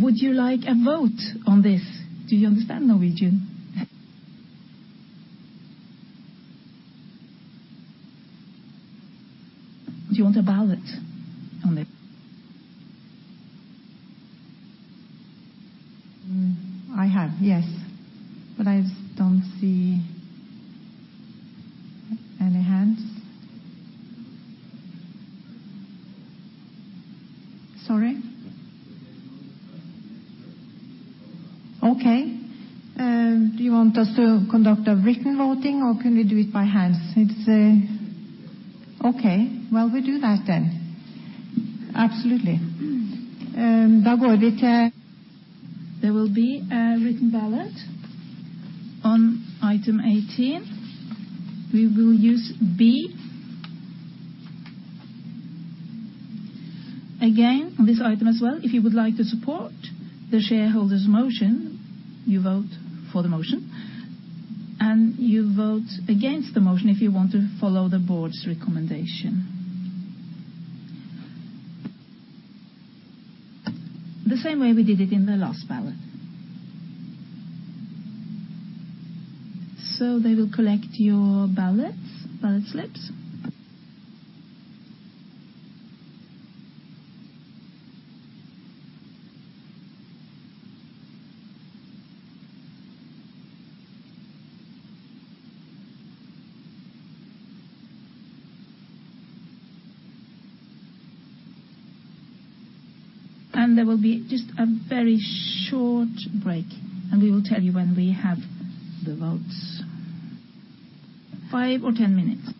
S3: Would you like a vote on this? Do you understand Norwegian? Do you want a ballot on it? I have, yes, but I don't see any hands. Sorry? Okay. Do you want us to conduct a written voting or can we do it by hands? It's okay. Well, we do that then. Absolutely. There will be a written ballot on item 18. We will use B. Again, this item as well, if you would like to support the shareholder's motion, you vote for the motion, and you vote against the motion if you want to follow the board's recommendation. The same way we did it in the last ballot. They will collect your ballots, ballot slips. There will be just a very short break, and we will tell you when we have the votes. 5 or 10 minutes.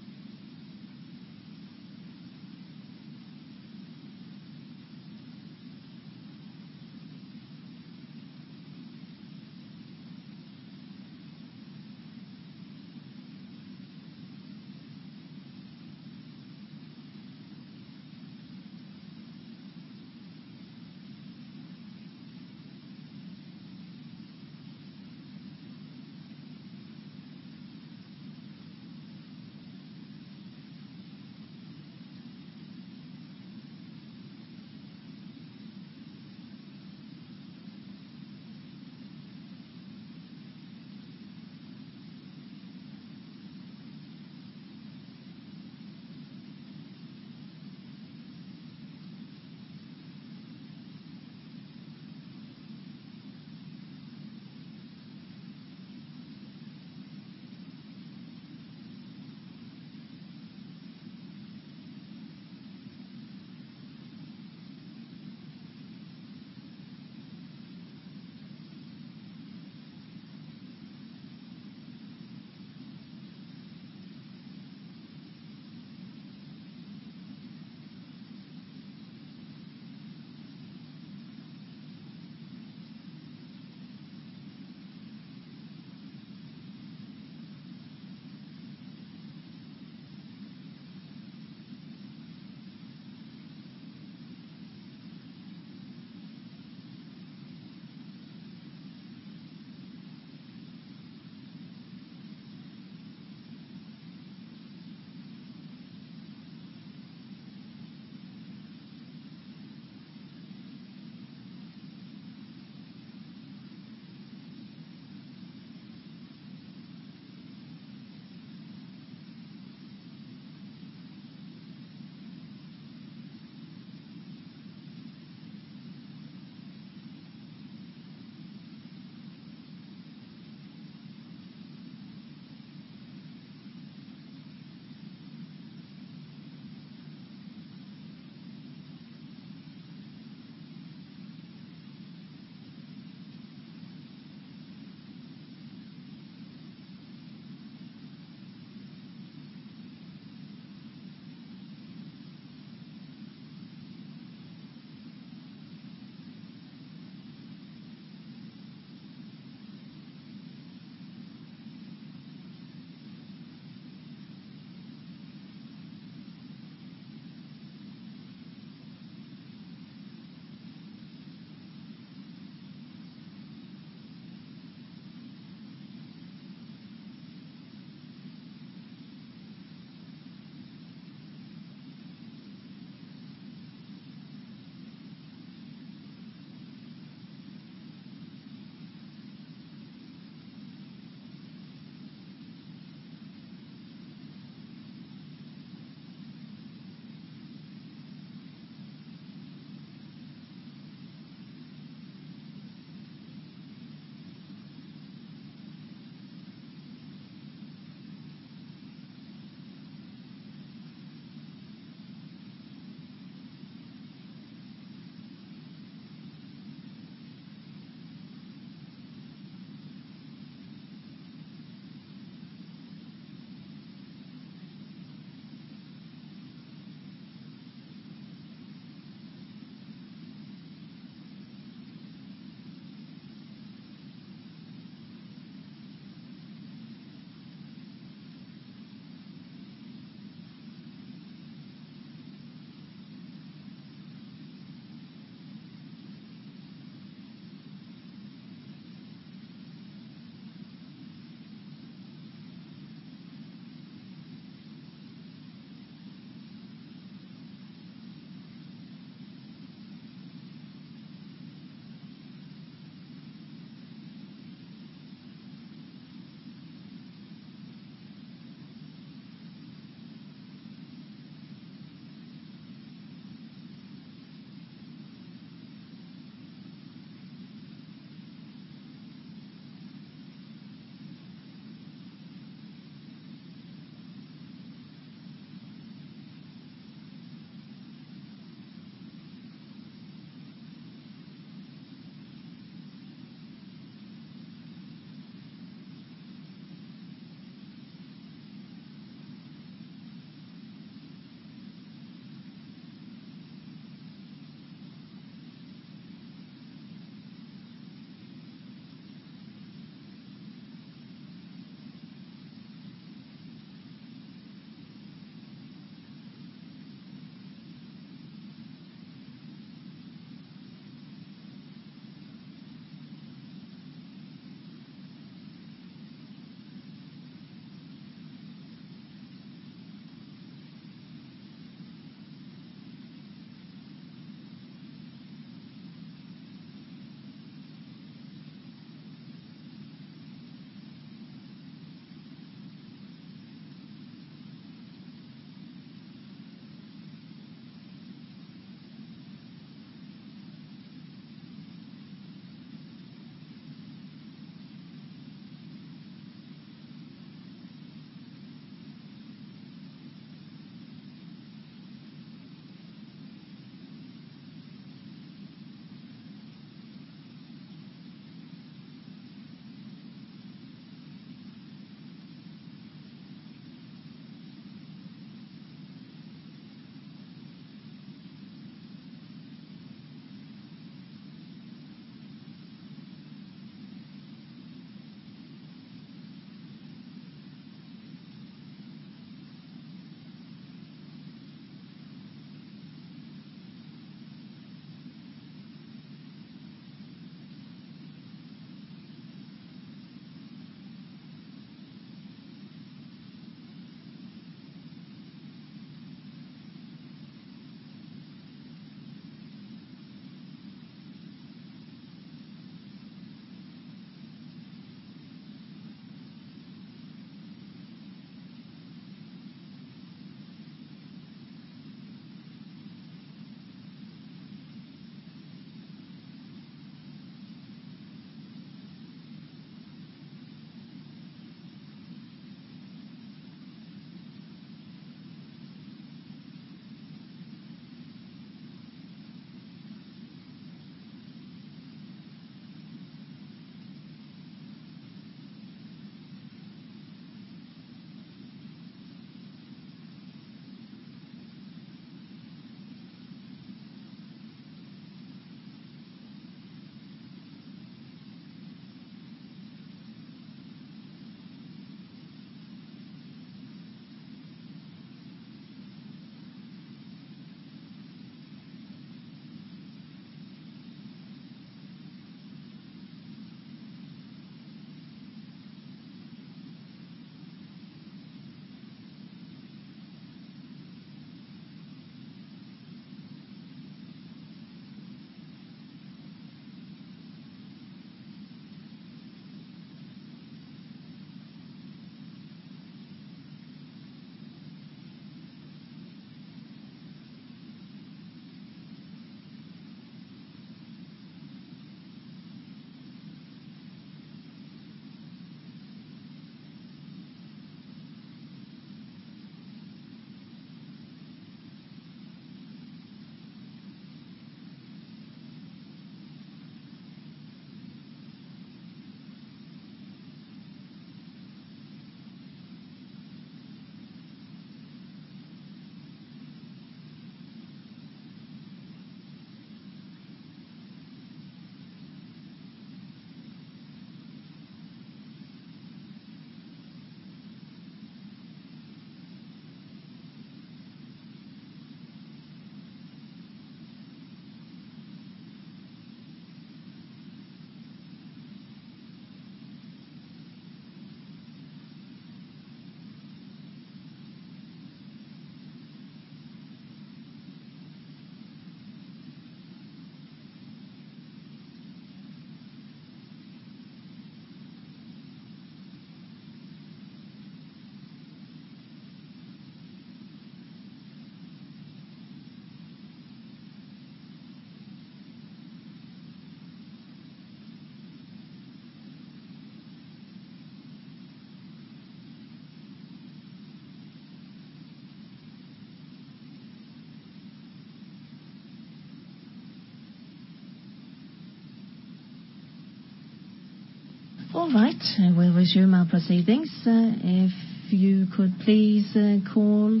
S1: All right, we'll resume our proceedings. If you could please call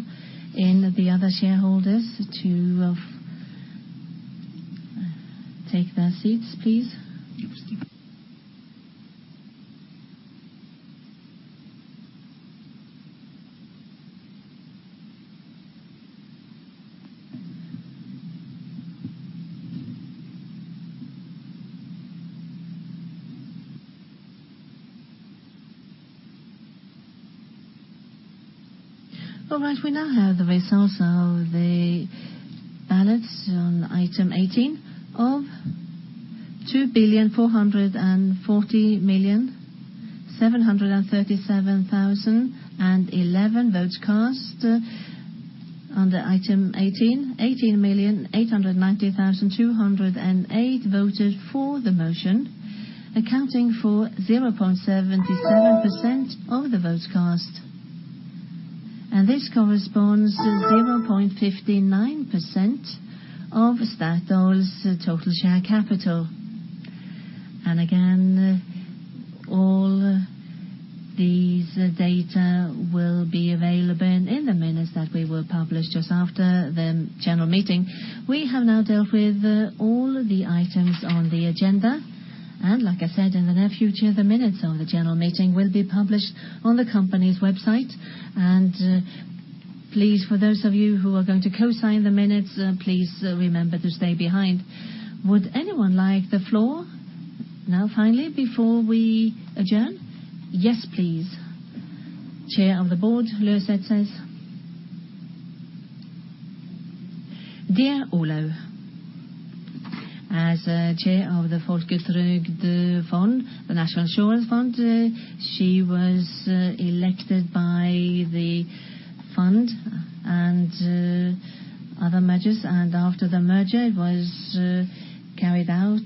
S1: in the other shareholders. Take their seats, please. Yes. All right, we now have the results of the ballots on item 18. Of 2,440,737,011 votes cast under item 18. 18,892,208 voted for the motion, accounting for 0.77% of the votes cast. This corresponds to 0.59% of Statoil's total share capital. Again, all these data will be available in the minutes that we will publish just after the general meeting. We have now dealt with all the items on the agenda. Like I said, in the near future, the minutes of the general meeting will be published on the company's website.
S2: Please, for those of you who are going to co-sign the minutes, please remember to stay behind. Would anyone like the floor now, finally, before we adjourn? Yes, please. Chair of the Board, Løseth. Dear Olaug Svarva. As chair of the Folketrygdfondet, the National Insurance Fund, she was elected by the fund and other mergers. After the merger was carried out,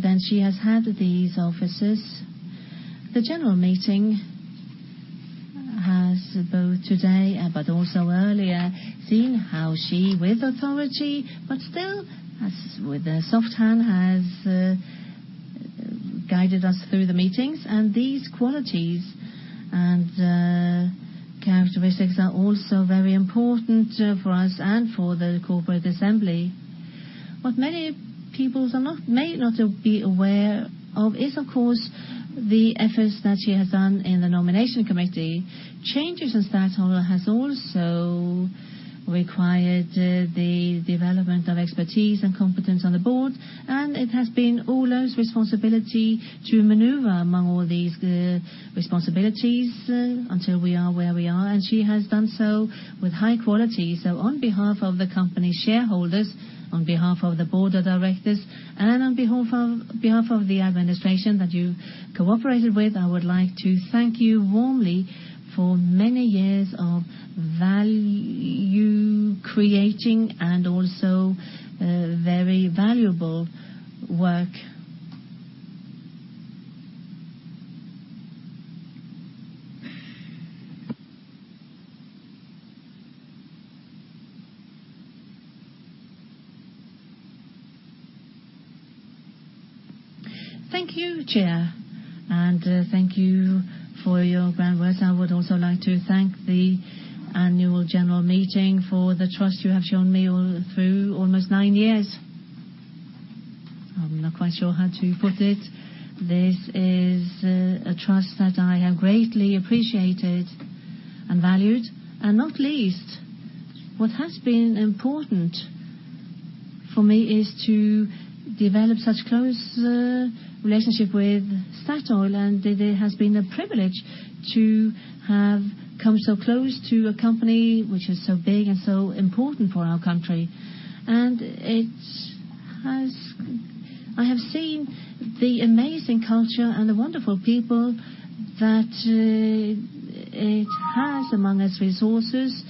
S2: then she has had these offices. The general meeting has both today, but also earlier, seen how she, with authority, but still with a soft hand, guided us through the meetings. These qualities and characteristics are also very important for us and for the corporate assembly. What many people may not be aware of is, of course, the efforts that she has done in the nomination committee.
S1: Changes in Statoil has also required the development of expertise and competence on the board, and it has been Olaug Svarva's responsibility to maneuver among all these responsibilities until we are where we are, and she has done so with high quality. On behalf of the company shareholders, on behalf of the board of directors, and on behalf of the administration that you cooperated with, I would like to thank you warmly for many years of value creating and also very valuable work. Thank you, Chair, and thank you for your kind words. I would also like to thank the annual general meeting for the trust you have shown me all through almost nine years. I'm not quite sure how to put it. This is a trust that I have greatly appreciated and valued. Not least, what has been important for me is to develop such close relationship with Statoil, and it has been a privilege to have come so close to a company which is so big and so important for our country. I have seen the amazing culture and the wonderful people that it has among its resources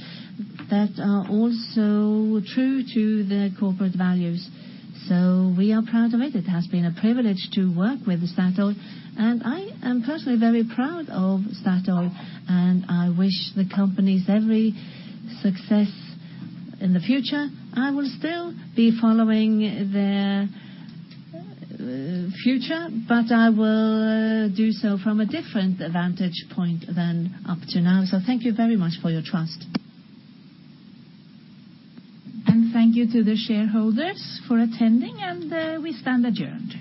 S1: that are also true to their corporate values. We are proud of it. It has been a privilege to work with Statoil, and I am personally very proud of Statoil, and I wish the companies every success in the future. I will still be following their future, but I will do so from a different vantage point than up to now. Thank you very much for your trust. Thank you to the shareholders for attending, and we stand adjourned.